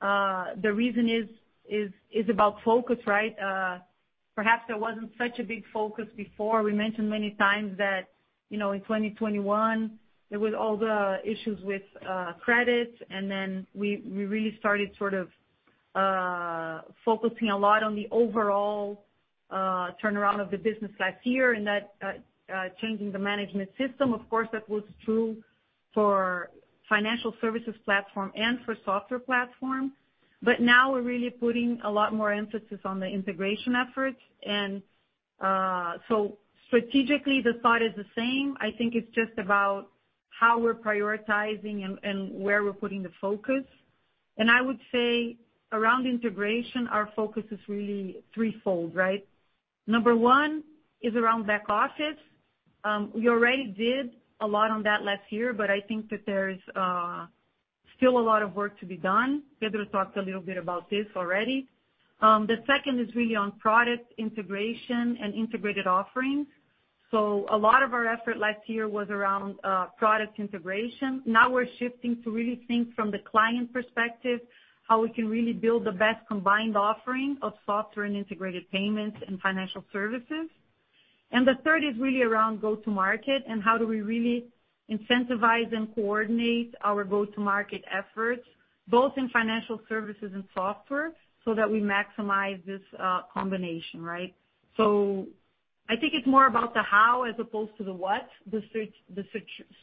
the reason is, is about focus, right? Perhaps there wasn't such a big focus before. We mentioned many times that, you know, in 2021, there was all the issues with credit, and then we really started sort of focusing a lot on the overall turnaround of the business last year, and that changing the management system. Of course, that was true for financial services platform and for software platform. Now we're really putting a lot more emphasis on the integration efforts. So strategically, the thought is the same. I think it's just about how we're prioritizing and where we're putting the focus. I would say around integration, our focus is really threefold, right. Number one is around back office. We already did a lot on that last year, but I think that there's still a lot of work to be done. Pedro talked a little bit about this already. The second is really on product integration and integrated offerings. A lot of our effort last year was around product integration. Now we're shifting to really think from the client perspective, how we can really build the best combined offering of software and integrated payments and financial services. The third is really around go-to-market and how do we really incentivize and coordinate our go-to-market efforts, both in financial services and software, so that we maximize this combination, right? I think it's more about the how as opposed to the what. The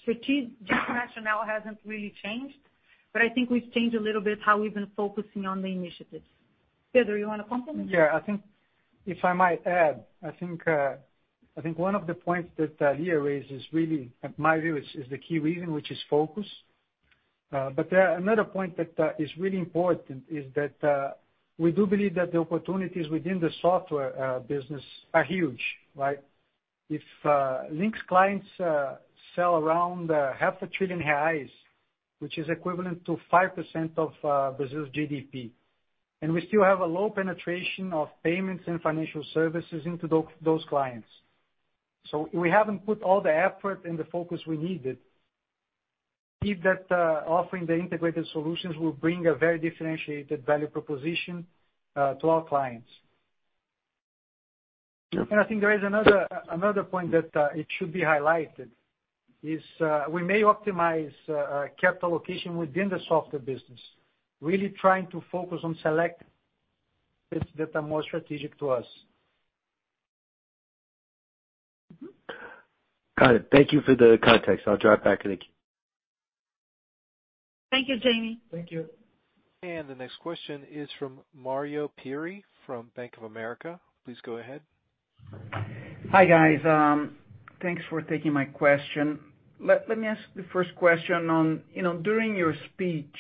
strategic direction now hasn't really changed, but I think we've changed a little bit how we've been focusing on the initiatives. Pedro, you wanna complement? Yeah. I think if I might add. I think one of the points that Lia raised is really, at my view, the key reason, which is focus. Another point that is really important is that we do believe that the opportunities within the software business are huge, right? If Linx clients sell around half a trillion BRL, which is equivalent to 5% of Brazil's GDP, and we still have a low penetration of payments and financial services into those clients. We haven't put all the effort and the focus we needed. I think that, offering the integrated solutions will bring a very differentiated value proposition to our clients. I think there is another point that it should be highlighted, is, we may optimize capital allocation within the software business, really trying to focus on select that are more strategic to us. Got it. Thank you for the context. I'll drop back in the queue. Thank you, Jamie. Thank you. The next question is from Mario Pierry from Bank of America. Please go ahead. Hi, guys. Thanks for taking my question. Let me ask the first question on, you know, during your speech,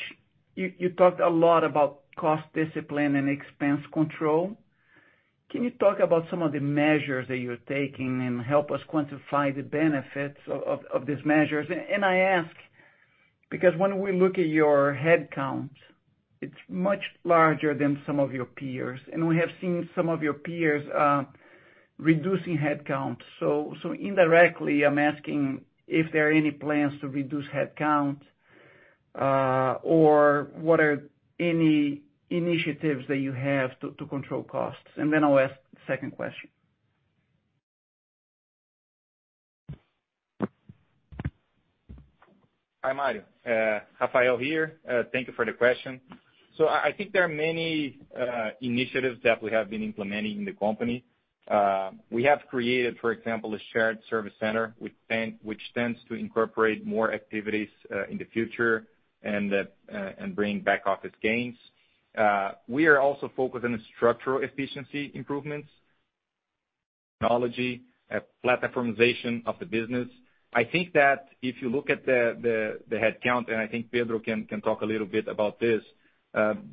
you talked a lot about cost discipline and expense control. Can you talk about some of the measures that you're taking and help us quantify the benefits of these measures? I ask because when we look at your headcount, it's much larger than some of your peers, and we have seen some of your peers reducing headcount. Indirectly, I'm asking if there are any plans to reduce headcount, or what are any initiatives that you have to control costs? Then I'll ask the second question. Hi, Mario. Rafael here. Thank you for the question. I think there are many initiatives that we have been implementing in the company. We have created, for example, a shared service center which tends to incorporate more activities in the future and bring back office gains. We are also focused on the structural efficiency improvements, technology, platformization of the business. I think that if you look at the headcount, and I think Pedro can talk a little bit about this,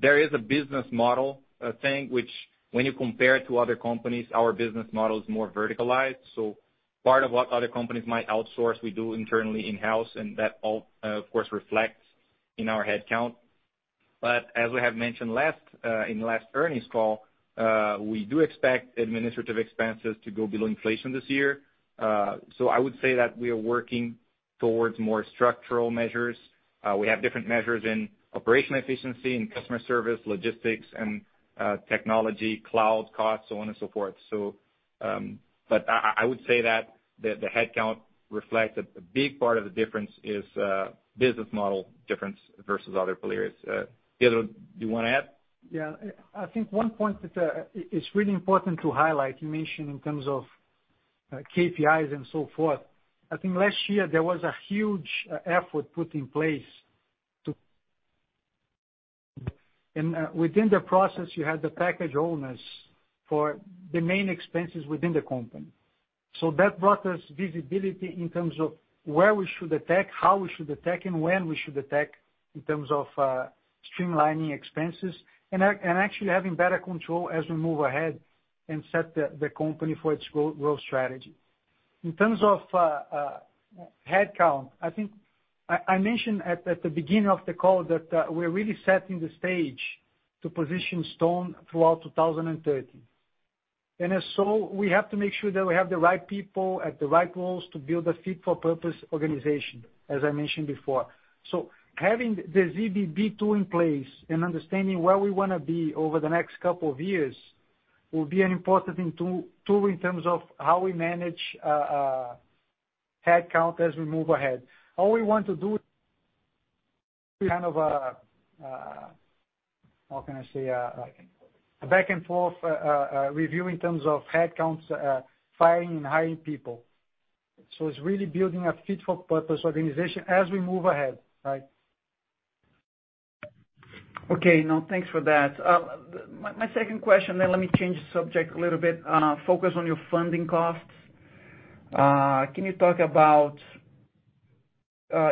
there is a business model thing, which when you compare to other companies, our business model is more verticalized. Part of what other companies might outsource, we do internally in-house, and that all, of course, reflects in our headcount. As we have mentioned last, in last earnings call, we do expect administrative expenses to go below inflation this year. I would say that we are working towards more structural measures. We have different measures in operational efficiency, in customer service, logistics and technology, cloud costs, so on and so forth. I would say that the headcount reflects a big part of the difference is business model difference versus other players. Pedro, do you wanna add? I think one point that is really important to highlight, you mentioned in terms of KPIs and so forth, I think last year there was a huge effort put in place to. Within the process, you had the package owners for the main expenses within the company. That brought us visibility in terms of where we should attack, how we should attack, and when we should attack in terms of streamlining expenses and actually having better control as we move ahead and set the company for its growth strategy. In terms of headcount, I think I mentioned at the beginning of the call that we're really setting the stage to position Stone throughout 2030. If so, we have to make sure that we have the right people at the right roles to build a fit for purpose organization, as I mentioned before. Having the ZBB tool in place and understanding where we wanna be over the next two years will be an important thing tool in terms of how we manage headcount as we move ahead. All we want to do is kind of, how can I say? a back and forth review in terms of headcounts, firing and hiring people. It's really building a fit for purpose organization as we move ahead, right? Okay. No, thanks for that. My second question, let me change the subject a little bit, focus on your funding costs. Can you talk about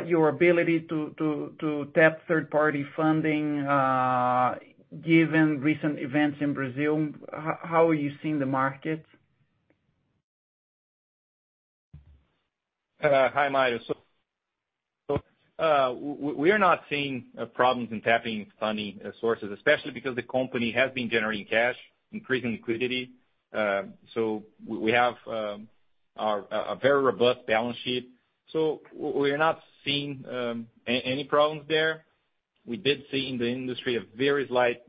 your ability to tap third-party funding, given recent events in Brazil? How are you seeing the market? Hi, Mario. We are not seeing problems in tapping funding sources, especially because the company has been generating cash, increasing liquidity. We have a very robust balance sheet. We're not seeing any problems there. We did see in the industry a very slight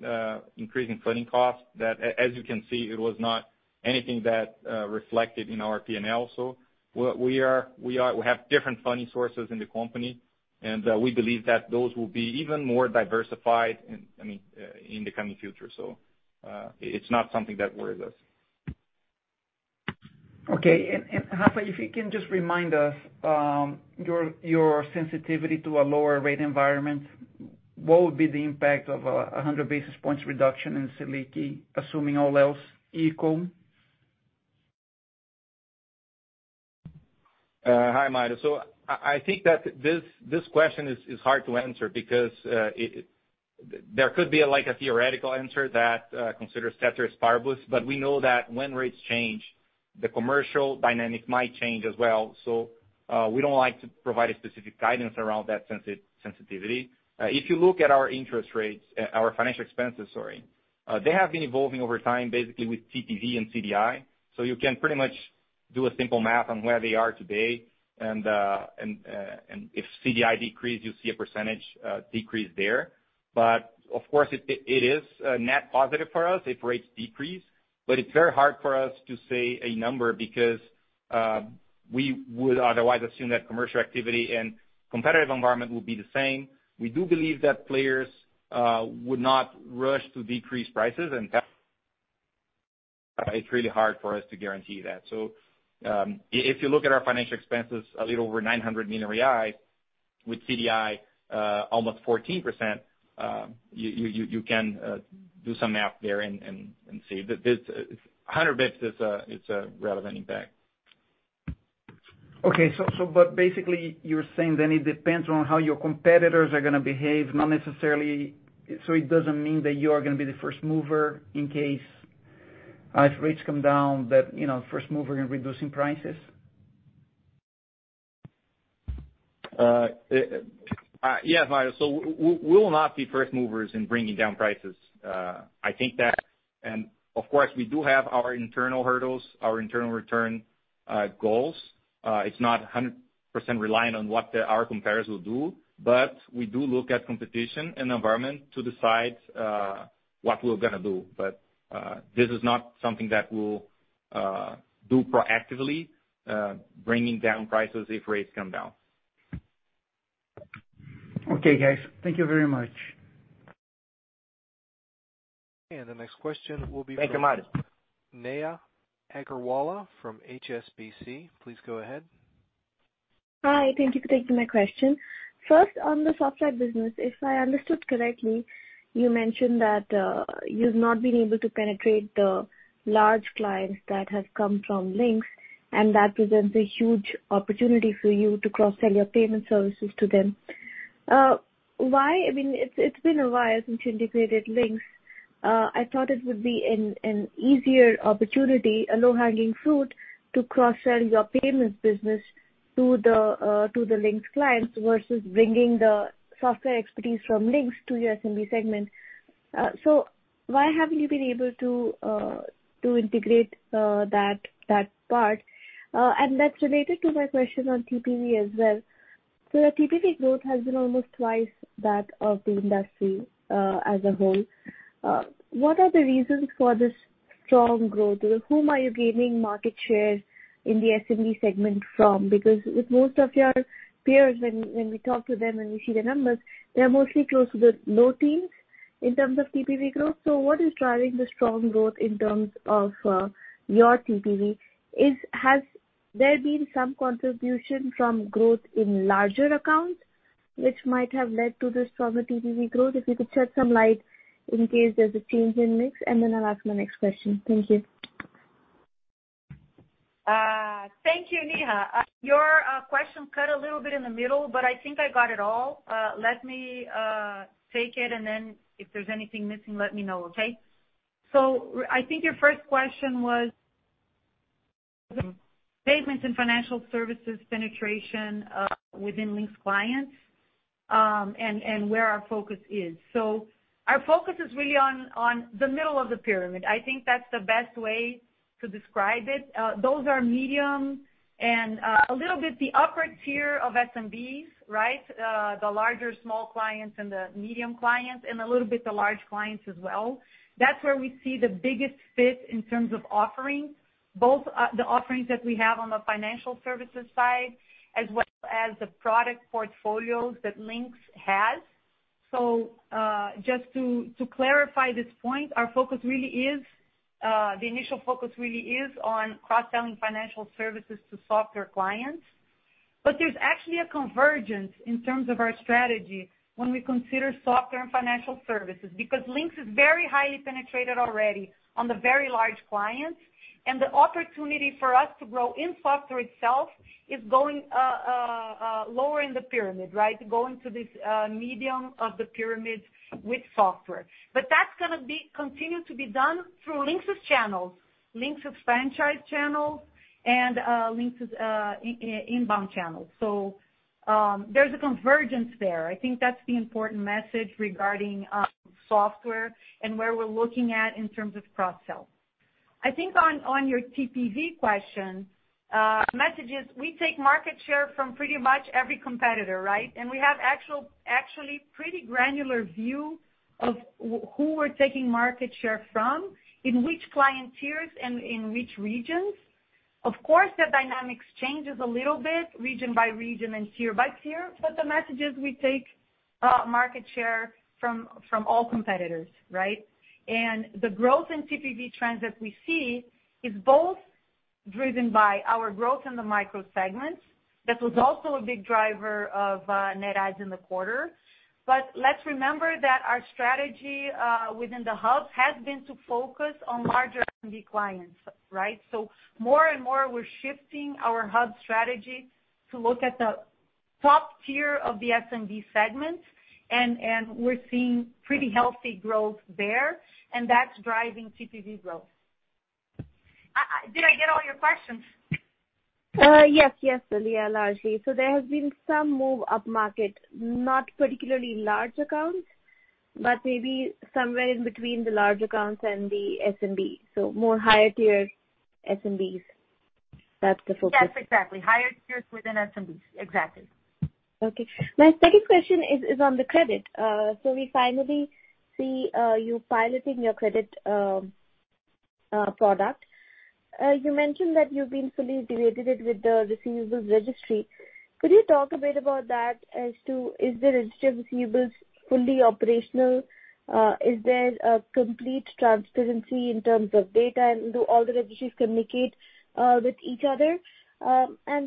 increase in funding costs that as you can see, it was not anything that reflected in our P&L. We have different funding sources in the company, and we believe that those will be even more diversified in, I mean, in the coming future. It's not something that worries us. Okay. Rafael, if you can just remind us, your sensitivity to a lower rate environment, what would be the impact of 100 basis points reduction in Selic, assuming all else equal? Hi, Mario. I think that this question is hard to answer because there could be like a theoretical answer that considers ceteris paribus, but we know that when rates change, the commercial dynamic might change as well. We don't like to provide a specific guidance around that sensitivity. If you look at our interest rates, our financial expenses, sorry, they have been evolving over time basically with TPV and CDI. You can pretty much. Do a simple math on where they are today, and if CDI decrease, you'll see a percentage decrease there. Of course, it is a net positive for us if rates decrease, but it's very hard for us to say a number because we would otherwise assume that commercial activity and competitive environment will be the same. We do believe that players would not rush to decrease prices. It's really hard for us to guarantee that. If you look at our financial expenses, a little over 900 million reais, with CDI almost 14%, you can do some math there and see. This 100 basis points is a relevant impact. Okay. Basically you're saying then it depends on how your competitors are gonna behave, not necessarily, it doesn't mean that you are gonna be the first mover in case, if rates come down, that, you know, first mover in reducing prices? Yes, Mario. We will not be first movers in bringing down prices. I think that, and of course, we do have our internal hurdles, our internal return goals. It's not 100% reliant on what our competitors will do, but we do look at competition and environment to decide what we're gonna do. This is not something that we'll do proactively, bringing down prices if rates come down. Okay, guys. Thank you very much. The next question will be from- Thank you, Mario. Neha Agarwala from HSBC. Please go ahead. Hi, thank you for taking my question. First on the software business, if I understood correctly, you mentioned that you've not been able to penetrate the large clients that have come from Linx, and that presents a huge opportunity for you to cross-sell your payment services to them. I mean, it's been a while since you integrated Linx. I thought it would be an easier opportunity, a low-hanging fruit to cross-sell your payments business to the Linx clients versus bringing the software expertise from Linx to your SMB segment. why haven't you been able to integrate that part? that's related to my question on TPV as well. the TPV growth has been almost twice that of the industry as a whole. what are the reasons for this strong growth? Whom are you gaining market share in the SMB segment from? With most of your peers, when we talk to them and we see the numbers, they're mostly close to the low teens in terms of TPV growth. What is driving the strong growth in terms of your TPV? Has there been some contribution from growth in larger accounts which might have led to this stronger TPV growth? If you could shed some light in case there's a change in mix, I'll ask my next question. Thank you. Thank you, Neha. Your question cut a little bit in the middle, but I think I got it all. Let me take it, and then if there's anything missing, let me know, okay? I think your first question was payments and financial services penetration within Linx clients, and where our focus is. Our focus is really on the middle of the pyramid. I think that's the best way to describe it. Those are medium and a little bit the upper tier of SMBs, right? The larger small clients and the medium clients and a little bit the large clients as well. That's where we see the biggest fit in terms of offerings, both the offerings that we have on the financial services side as well as the product portfolios that Linx has. Just to clarify this point, our focus really is the initial focus really is on cross-selling financial services to software clients. There's actually a convergence in terms of our strategy when we consider software and financial services, because Linx is very highly penetrated already on the very large clients, and the opportunity for us to grow in software itself is going lower in the pyramid, right? Going to this medium of the pyramid with software. That's gonna continue to be done through Linx's channels, Linx's franchise channels and Linx's inbound channels. There's a convergence there. I think that's the important message regarding software and where we're looking at in terms of cross-sell. I think on your TPV question, message is we take market share from pretty much every competitor, right? We have actually pretty granular view of who we're taking market share from, in which client tiers and in which regions. Of course, the dynamics changes a little bit region by region and tier-by-tier, but the message is we take market share from all competitors, right? The growth in TPV trends that we see is both driven by our growth in the micro segments. That was also a big driver of net adds in the quarter. Let's remember that our strategy within the hub has been to focus on larger SMB clients, right? More and more, we're shifting our hub strategy to look at the top tier of the SMB segments, and we're seeing pretty healthy growth there, and that's driving TPV growth. Did I get all your questions? Yes, Lia, largely. There has been some move up market, not particularly large accounts, but maybe somewhere in between the large accounts and the SMB. More higher tier SMBs. That's the focus. Yes, exactly. Higher tiers within SMBs. Exactly. My second question is on the credit. We finally see you piloting your credit product. You mentioned that you've been fully integrated with the register of receivables. Could you talk a bit about that as to is the registered receivables fully operational? Is there a complete transparency in terms of data and do all the registries communicate with each other?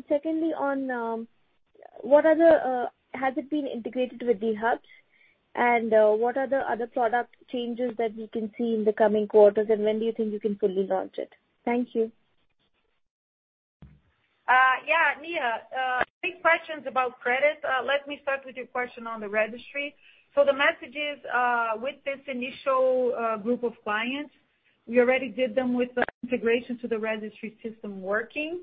Secondly, on what other has it been integrated with the hubs and what other product changes that we can see in the coming quarters and when do you think you can fully launch it? Thank you. Yeah. Neha, great questions about credit. Let me start with your question on the registry. The message is, with this initial group of clients, we already did them with the integration to the registry system working.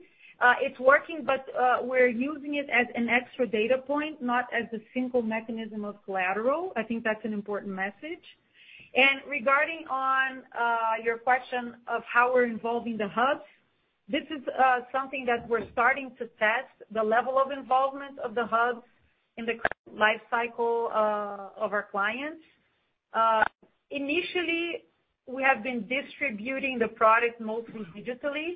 It's working, but we're using it as an extra data point, not as the single mechanism of collateral. I think that's an important message. Regarding on your question of how we're involving the hubs, this is something that we're starting to test the level of involvement of the hubs in the current lifecycle of our clients. Initially, we have been distributing the product mostly digitally,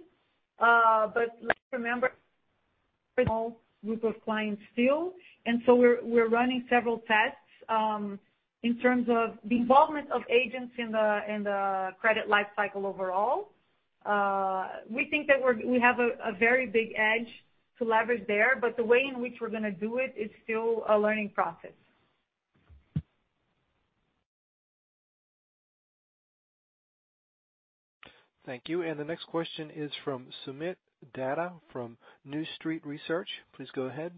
but let's remember group of clients still, and so we're running several tests in terms of the involvement of agents in the credit life cycle overall. We think that we have a very big edge to leverage there, but the way in which we're gonna do it is still a learning process. Thank you. The next question is from Soomit Datta from New Street Research. Please go ahead.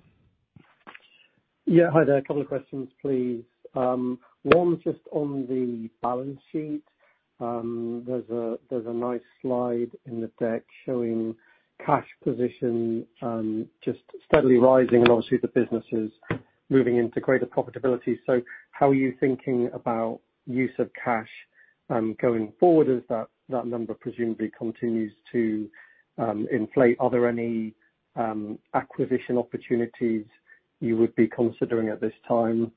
Yeah. Hi there. A couple of questions, please. One just on the balance sheet. There's a nice slide in the deck showing cash position, just steadily rising, and obviously the business is moving into greater profitability. How are you thinking about use of cash, going forward as that number presumably continues to inflate? Are there any acquisition opportunities you would be considering at this time?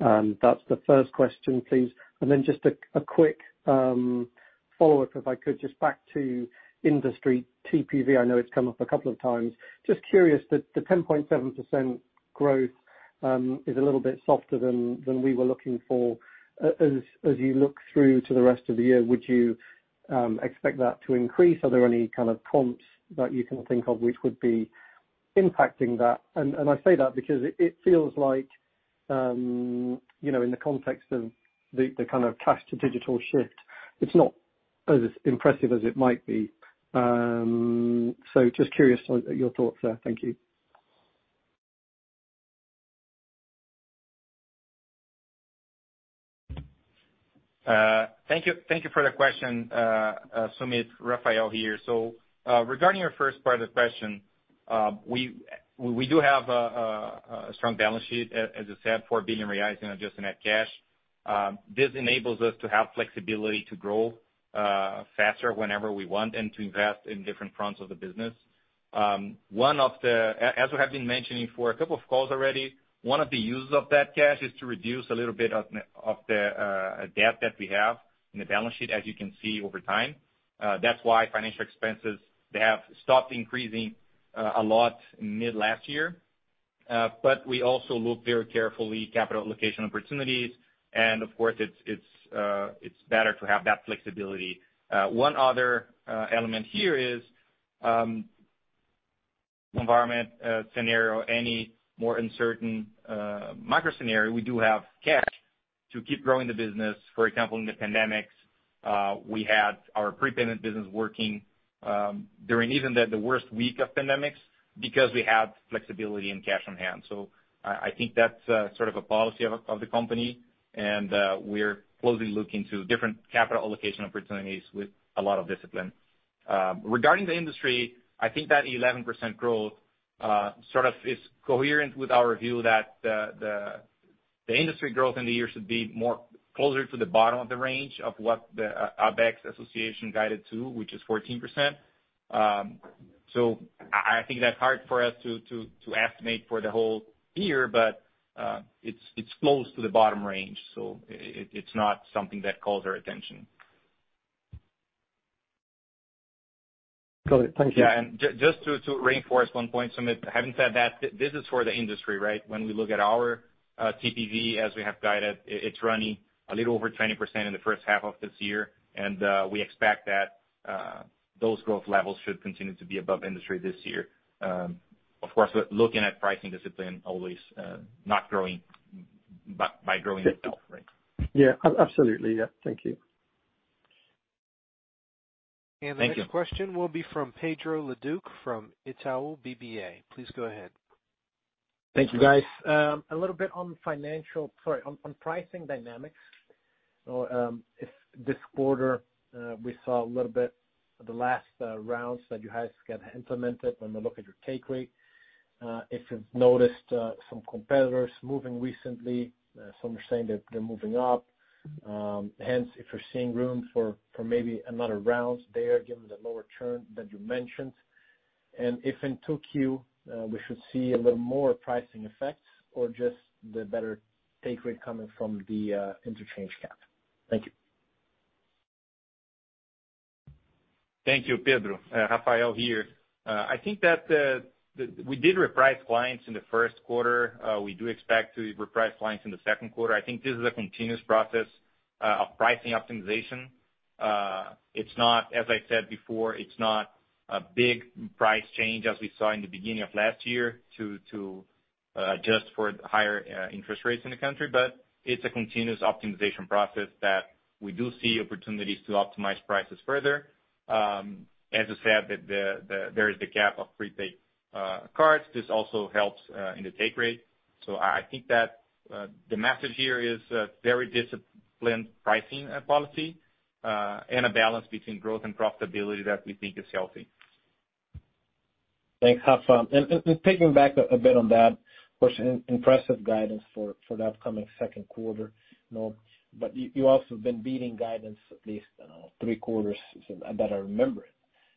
That's the first question, please. Then just a quick follow-up, if I could, just back to industry TPV. I know it's come up a couple of times. Just curious, the 10.7% growth, is a little bit softer than we were looking for. As you look through to the rest of the year, would you expect that to increase? Are there any kind of prompts that you can think of which would be impacting that? I say that because it feels like, you know, in the context of the kind of cash to digital shift, it's not as impressive as it might be. Just curious on your thoughts there. Thank you. Thank you. Thank you for the question, Soomit. Rafael here. Regarding your first part of the question, we do have a strong balance sheet, as you said, 4 billion reais in adjusted net cash. This enables us to have flexibility to grow faster whenever we want and to invest in different fronts of the business. As we have been mentioning for a couple of calls already, one of the uses of that cash is to reduce a little bit of the a debt that we have in the balance sheet, as you can see over time. That's why financial expenses, they have stopped increasing a lot mid last year. But we also look very carefully capital allocation opportunities, and of course, it's better to have that flexibility. One other element here is environment, scenario, any more uncertain micro scenario, we do have cash to keep growing the business. For example, in the pandemics, we had our prepayment business working during even the worst week of pandemics because we had flexibility and cash on hand. I think that's sort of a policy of the company. We're closely looking to different capital allocation opportunities with a lot of discipline. Regarding the industry, I think that 11% growth sort of is coherent with our view that the industry growth in the year should be more closer to the bottom of the range of what the ABECS guided to, which is 14%. I think that's hard for us to estimate for the whole year, but it's close to the bottom range, so it's not something that calls our attention. Got it. Thank you. Yeah. Just to reinforce 1 point, Soomit, having said that, this is for the industry, right? When we look at our TPV as we have guided, it's running a little over 20% in the first half of this year. We expect that those growth levels should continue to be above industry this year. Of course, we're looking at pricing discipline always, not growing by growing itself, right? Yeah. absolutely. Yeah. Thank you. Thank you. The next question will be from Pedro Leduc from Itaú BBA. Please go ahead. Thank you, guys. A little bit on pricing dynamics. If this quarter we saw a little bit of the last rounds that you guys get implemented when we look at your take rate, if you've noticed some competitors moving recently, some are saying they're moving up. Hence, if you're seeing room for maybe another rounds there given the lower churn that you mentioned, and if in 2Q we should see a little more pricing effects or just the better take rate coming from the interchange cap? Thank you. Thank you, Pedro. Rafael here. I think that we did reprice clients in the first quarter. We do expect to reprice clients in the second quarter. I think this is a continuous process of pricing optimization. It's not, as I said before, it's not a big price change as we saw in the beginning of last year to adjust for higher interest rates in the country. It's a continuous optimization process that we do see opportunities to optimize prices further. As I said, there is the cap of prepaid cards. This also helps in the take rate. I think that the message here is a very disciplined pricing policy and a balance between growth and profitability that we think is healthy. Thanks, Rafa. Taking back a bit on that question, impressive guidance for the upcoming second quarter, you know, but you also have been beating guidance at least, I don't know, three quarters that I remember it.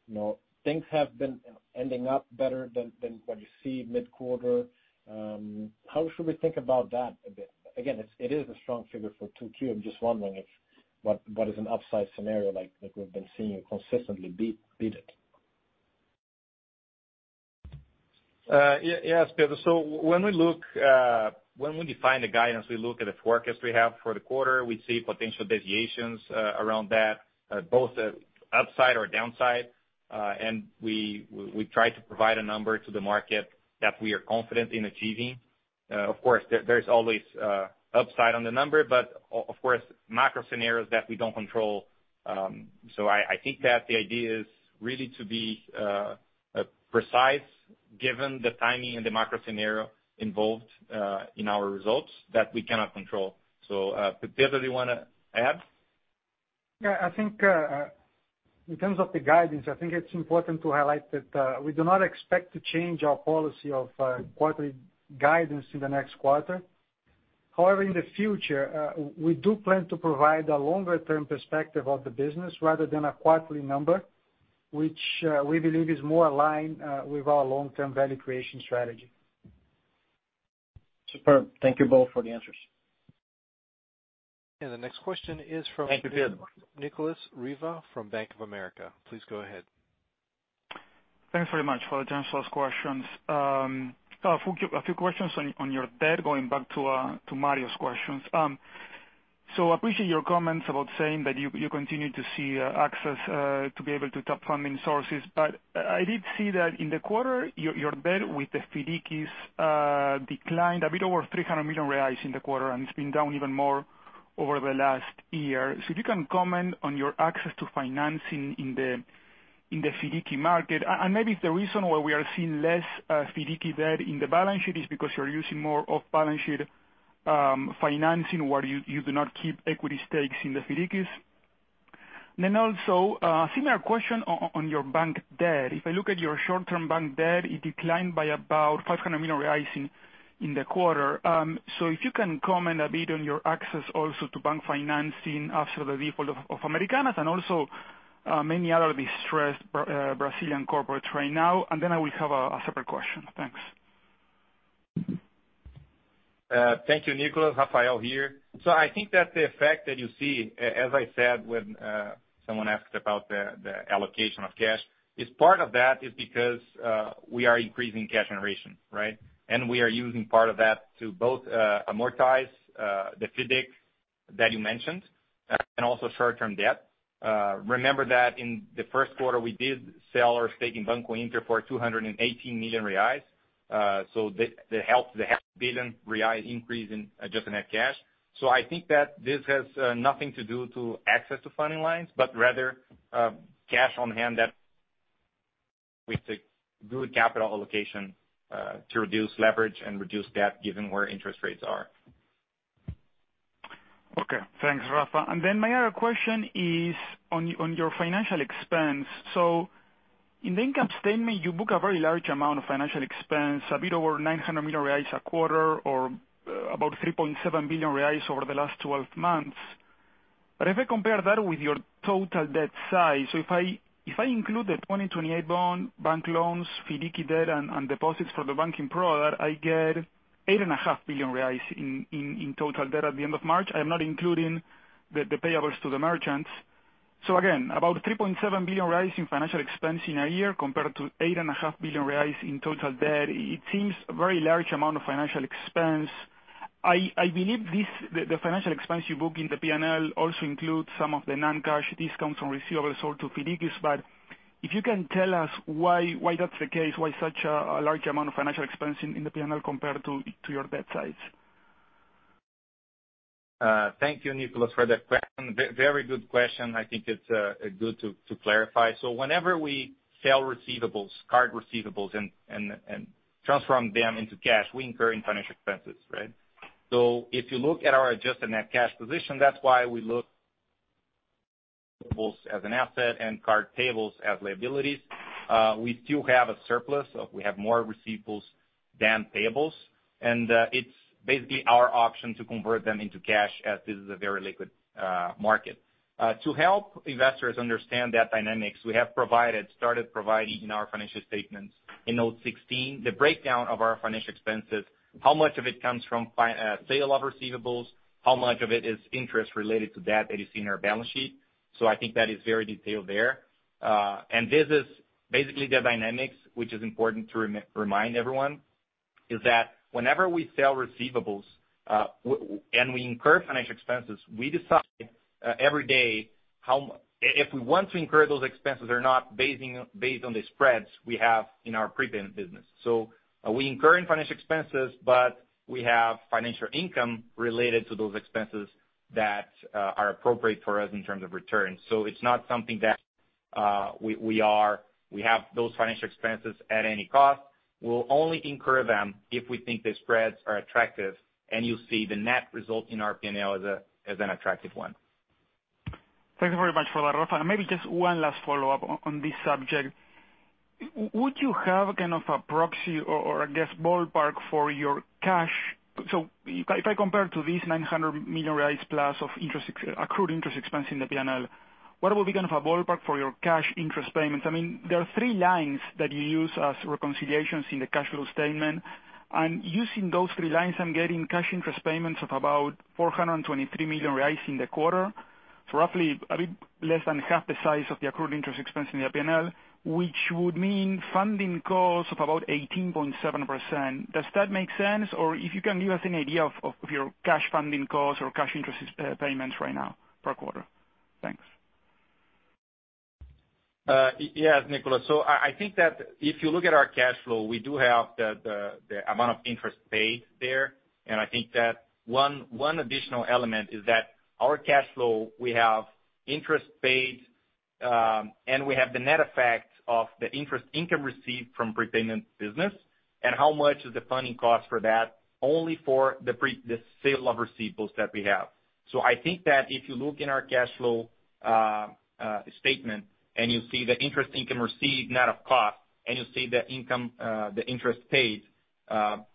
You know, things have been ending up better than what you see mid-quarter. How should we think about that a bit? Again, it is a strong figure for 2Q. I'm just wondering if what is an upside scenario like we've been seeing you consistently beat it. Yeah. Yes, Pedro. When we look, when we define the guidance, we look at the forecast we have for the quarter. We see potential deviations around that, both upside or downside. We try to provide a number to the market that we are confident in achieving. Of course, there's always upside on the number, but of course, macro scenarios that we don't control. I think that the idea is really to be precise given the timing and the macro scenario involved in our results that we cannot control. Pedro, do you wanna add? I think, in terms of the guidance, I think it's important to highlight that we do not expect to change our policy of quarterly guidance in the next quarter. However, in the future, we do plan to provide a longer term perspective of the business rather than a quarterly number, which we believe is more aligned with our long-term value creation strategy. Superb. Thank you both for the answers. The next question is from. Thank you, Pedro. Nicolas Riva from Bank of America. Please go ahead. Thanks very much for the chance to ask questions. A few questions on your debt, going back to Mario's questions. Appreciate your comments about saying that you continue to see access to be able to top funding sources. I did see that in the quarter, your debt with the FIDCs declined a bit over 300 million reais in the quarter, and it's been down even more over the last year. If you can comment on your access to financing in the FIDC market, and maybe if the reason why we are seeing less FIDC debt in the balance sheet is because you're using more off balance sheet financing, where you do not keep equity stakes in the FIDCs. Also, similar question on your bank debt. If I look at your short-term bank debt, it declined by about 500 million reais in the quarter. If you can comment a bit on your access also to bank financing after the default of Americanas and also many other distressed Brazilian corporates right now. I will have a separate question. Thanks. Thank you, Nicolas. Rafael here. I think that the effect that you see, as I said, when someone asked about the allocation of cash, is part of that is because we are increasing cash generation, right? We are using part of that to both amortize the FIDCs that you mentioned, and also short-term debt. Remember that in the first quarter, we did sell our stake in Banco Inter for 218 million reais. The half billion reais increase in adjusted net cash. I think that this has nothing to do to access to funding lines, but rather, cash on hand that we take good capital allocation to reduce leverage and reduce debt given where interest rates are. Okay. Thanks, Rafa. My other question is on your financial expense. In the income statement, you book a very large amount of financial expense, a bit over 900 million reais a quarter, or about 3.7 billion reais over the last 12 months. If I compare that with your total debt size, if I include the 2028 bond, bank loans, FIDC debt, and deposits for the banking product, I get 8.5 billion reais in total debt at the end of March. I'm not including the payables to the merchants. Again, about 3.7 billion in financial expense in a year compared to 8.5 billion in total debt. It seems a very large amount of financial expense. I believe this, the financial expense you book in the P&L also includes some of the non-cash discounts on receivables sold to FIDCs. If you can tell us why that's the case, why such a large amount of financial expense in the P&L compared to your debt size? Thank you, Nicolas, for that question. Very good question. I think it's good to clarify. Whenever we sell receivables, card receivables and transform them into cash, we incur in financial expenses, right? If you look at our adjusted net cash position, that's why we look both as an asset and card payables as liabilities. We still have a surplus. We have more receivables than payables, and it's basically our option to convert them into cash as this is a very liquid market. To help investors understand that dynamics, we have started providing in our financial statements in those 16, the breakdown of our financial expenses, how much of it comes from sale of receivables, how much of it is interest related to that that you see in our balance sheet. I think that is very detailed there. This is basically the dynamics which is important to remind everyone, is that whenever we sell receivables, and we incur financial expenses, we decide every day if we want to incur those expenses or not, based on the spreads we have in our prepaid business. We incur in financial expenses, but we have financial income related to those expenses that are appropriate for us in terms of returns. It's not something that we have those financial expenses at any cost. We'll only incur them if we think the spreads are attractive and you see the net result in our P&L as an attractive one. Thank you very much for that, Rafa. Maybe just one last follow-up on this subject. Would you have kind of a proxy or, I guess, ballpark for your cash? If I compare to these 900 million reais+ of accrued interest expense in the P&L, what would be kind of a ballpark for your cash interest payments? I mean, there are three lines that you use as reconciliations in the cash flow statement. Using those three lines, I'm getting cash interest payments of about 423 million reais in the quarter, so roughly a bit less than half the size of the accrued interest expense in the P&L, which would mean funding costs of about 18.7%. Does that make sense? If you can give us an idea of your cash funding costs or cash interest, payments right now per quarter. Thanks. Yes, Nicolas. I think that if you look at our cash flow, we do have the amount of interest paid there. I think that one additional element is that our cash flow, we have interest paid, and we have the net effect of the interest income received from prepayment business and how much is the funding cost for that only for the sale of receivables that we have. I think that if you look in our cash flow statement and you see the interest income received net of cost and you see the income, the interest paid,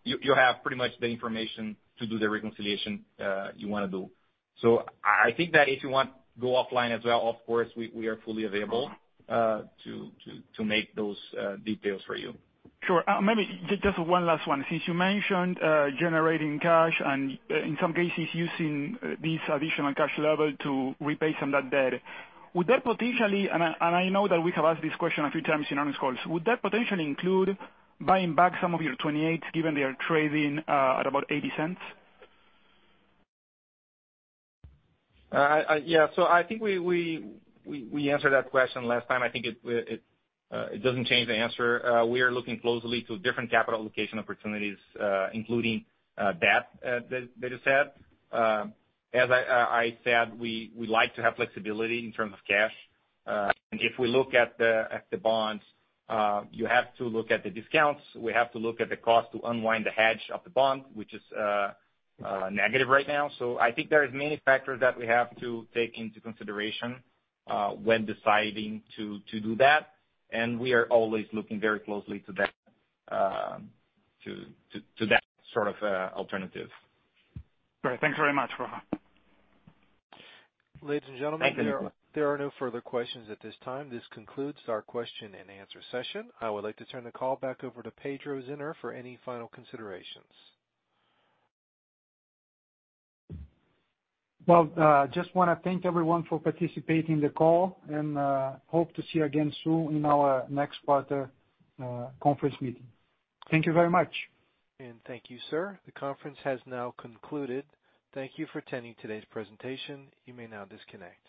you have pretty much the information to do the reconciliation you wanna do. I think that if you want go offline as well, of course, we are fully available, to make those details for you. Sure. Maybe just one last one. Since you mentioned generating cash and in some cases using this additional cash level to repay some of that debt, would that potentially... I know that we have asked this question a few times in earnings calls. Would that potentially include buying back some of your 2028s, given they are trading at about $0.80? Yeah. I think we answered that question last time. I think it doesn't change the answer. We are looking closely to different capital allocation opportunities, including debt that is said. As I said, we like to have flexibility in terms of cash. And if we look at the bonds, you have to look at the discounts. We have to look at the cost to unwind the hedge of the bond, which is negative right now. I think there is many factors that we have to take into consideration when deciding to do that. And we are always looking very closely to that, to that sort of alternative. Great. Thanks very much, Rafa. Thank you, Nicolas. Ladies, and gentlemen, there are no further questions at this time. This concludes our question-and-answer session. I would like to turn the call back over to Pedro Zinner for any final considerations. Well, just wanna thank everyone for participating in the call, and hope to see you again soon in our next quarter, conference meeting. Thank you very much. Thank you, sir. The conference has now concluded. Thank you for attending today's presentation. You may now disconnect.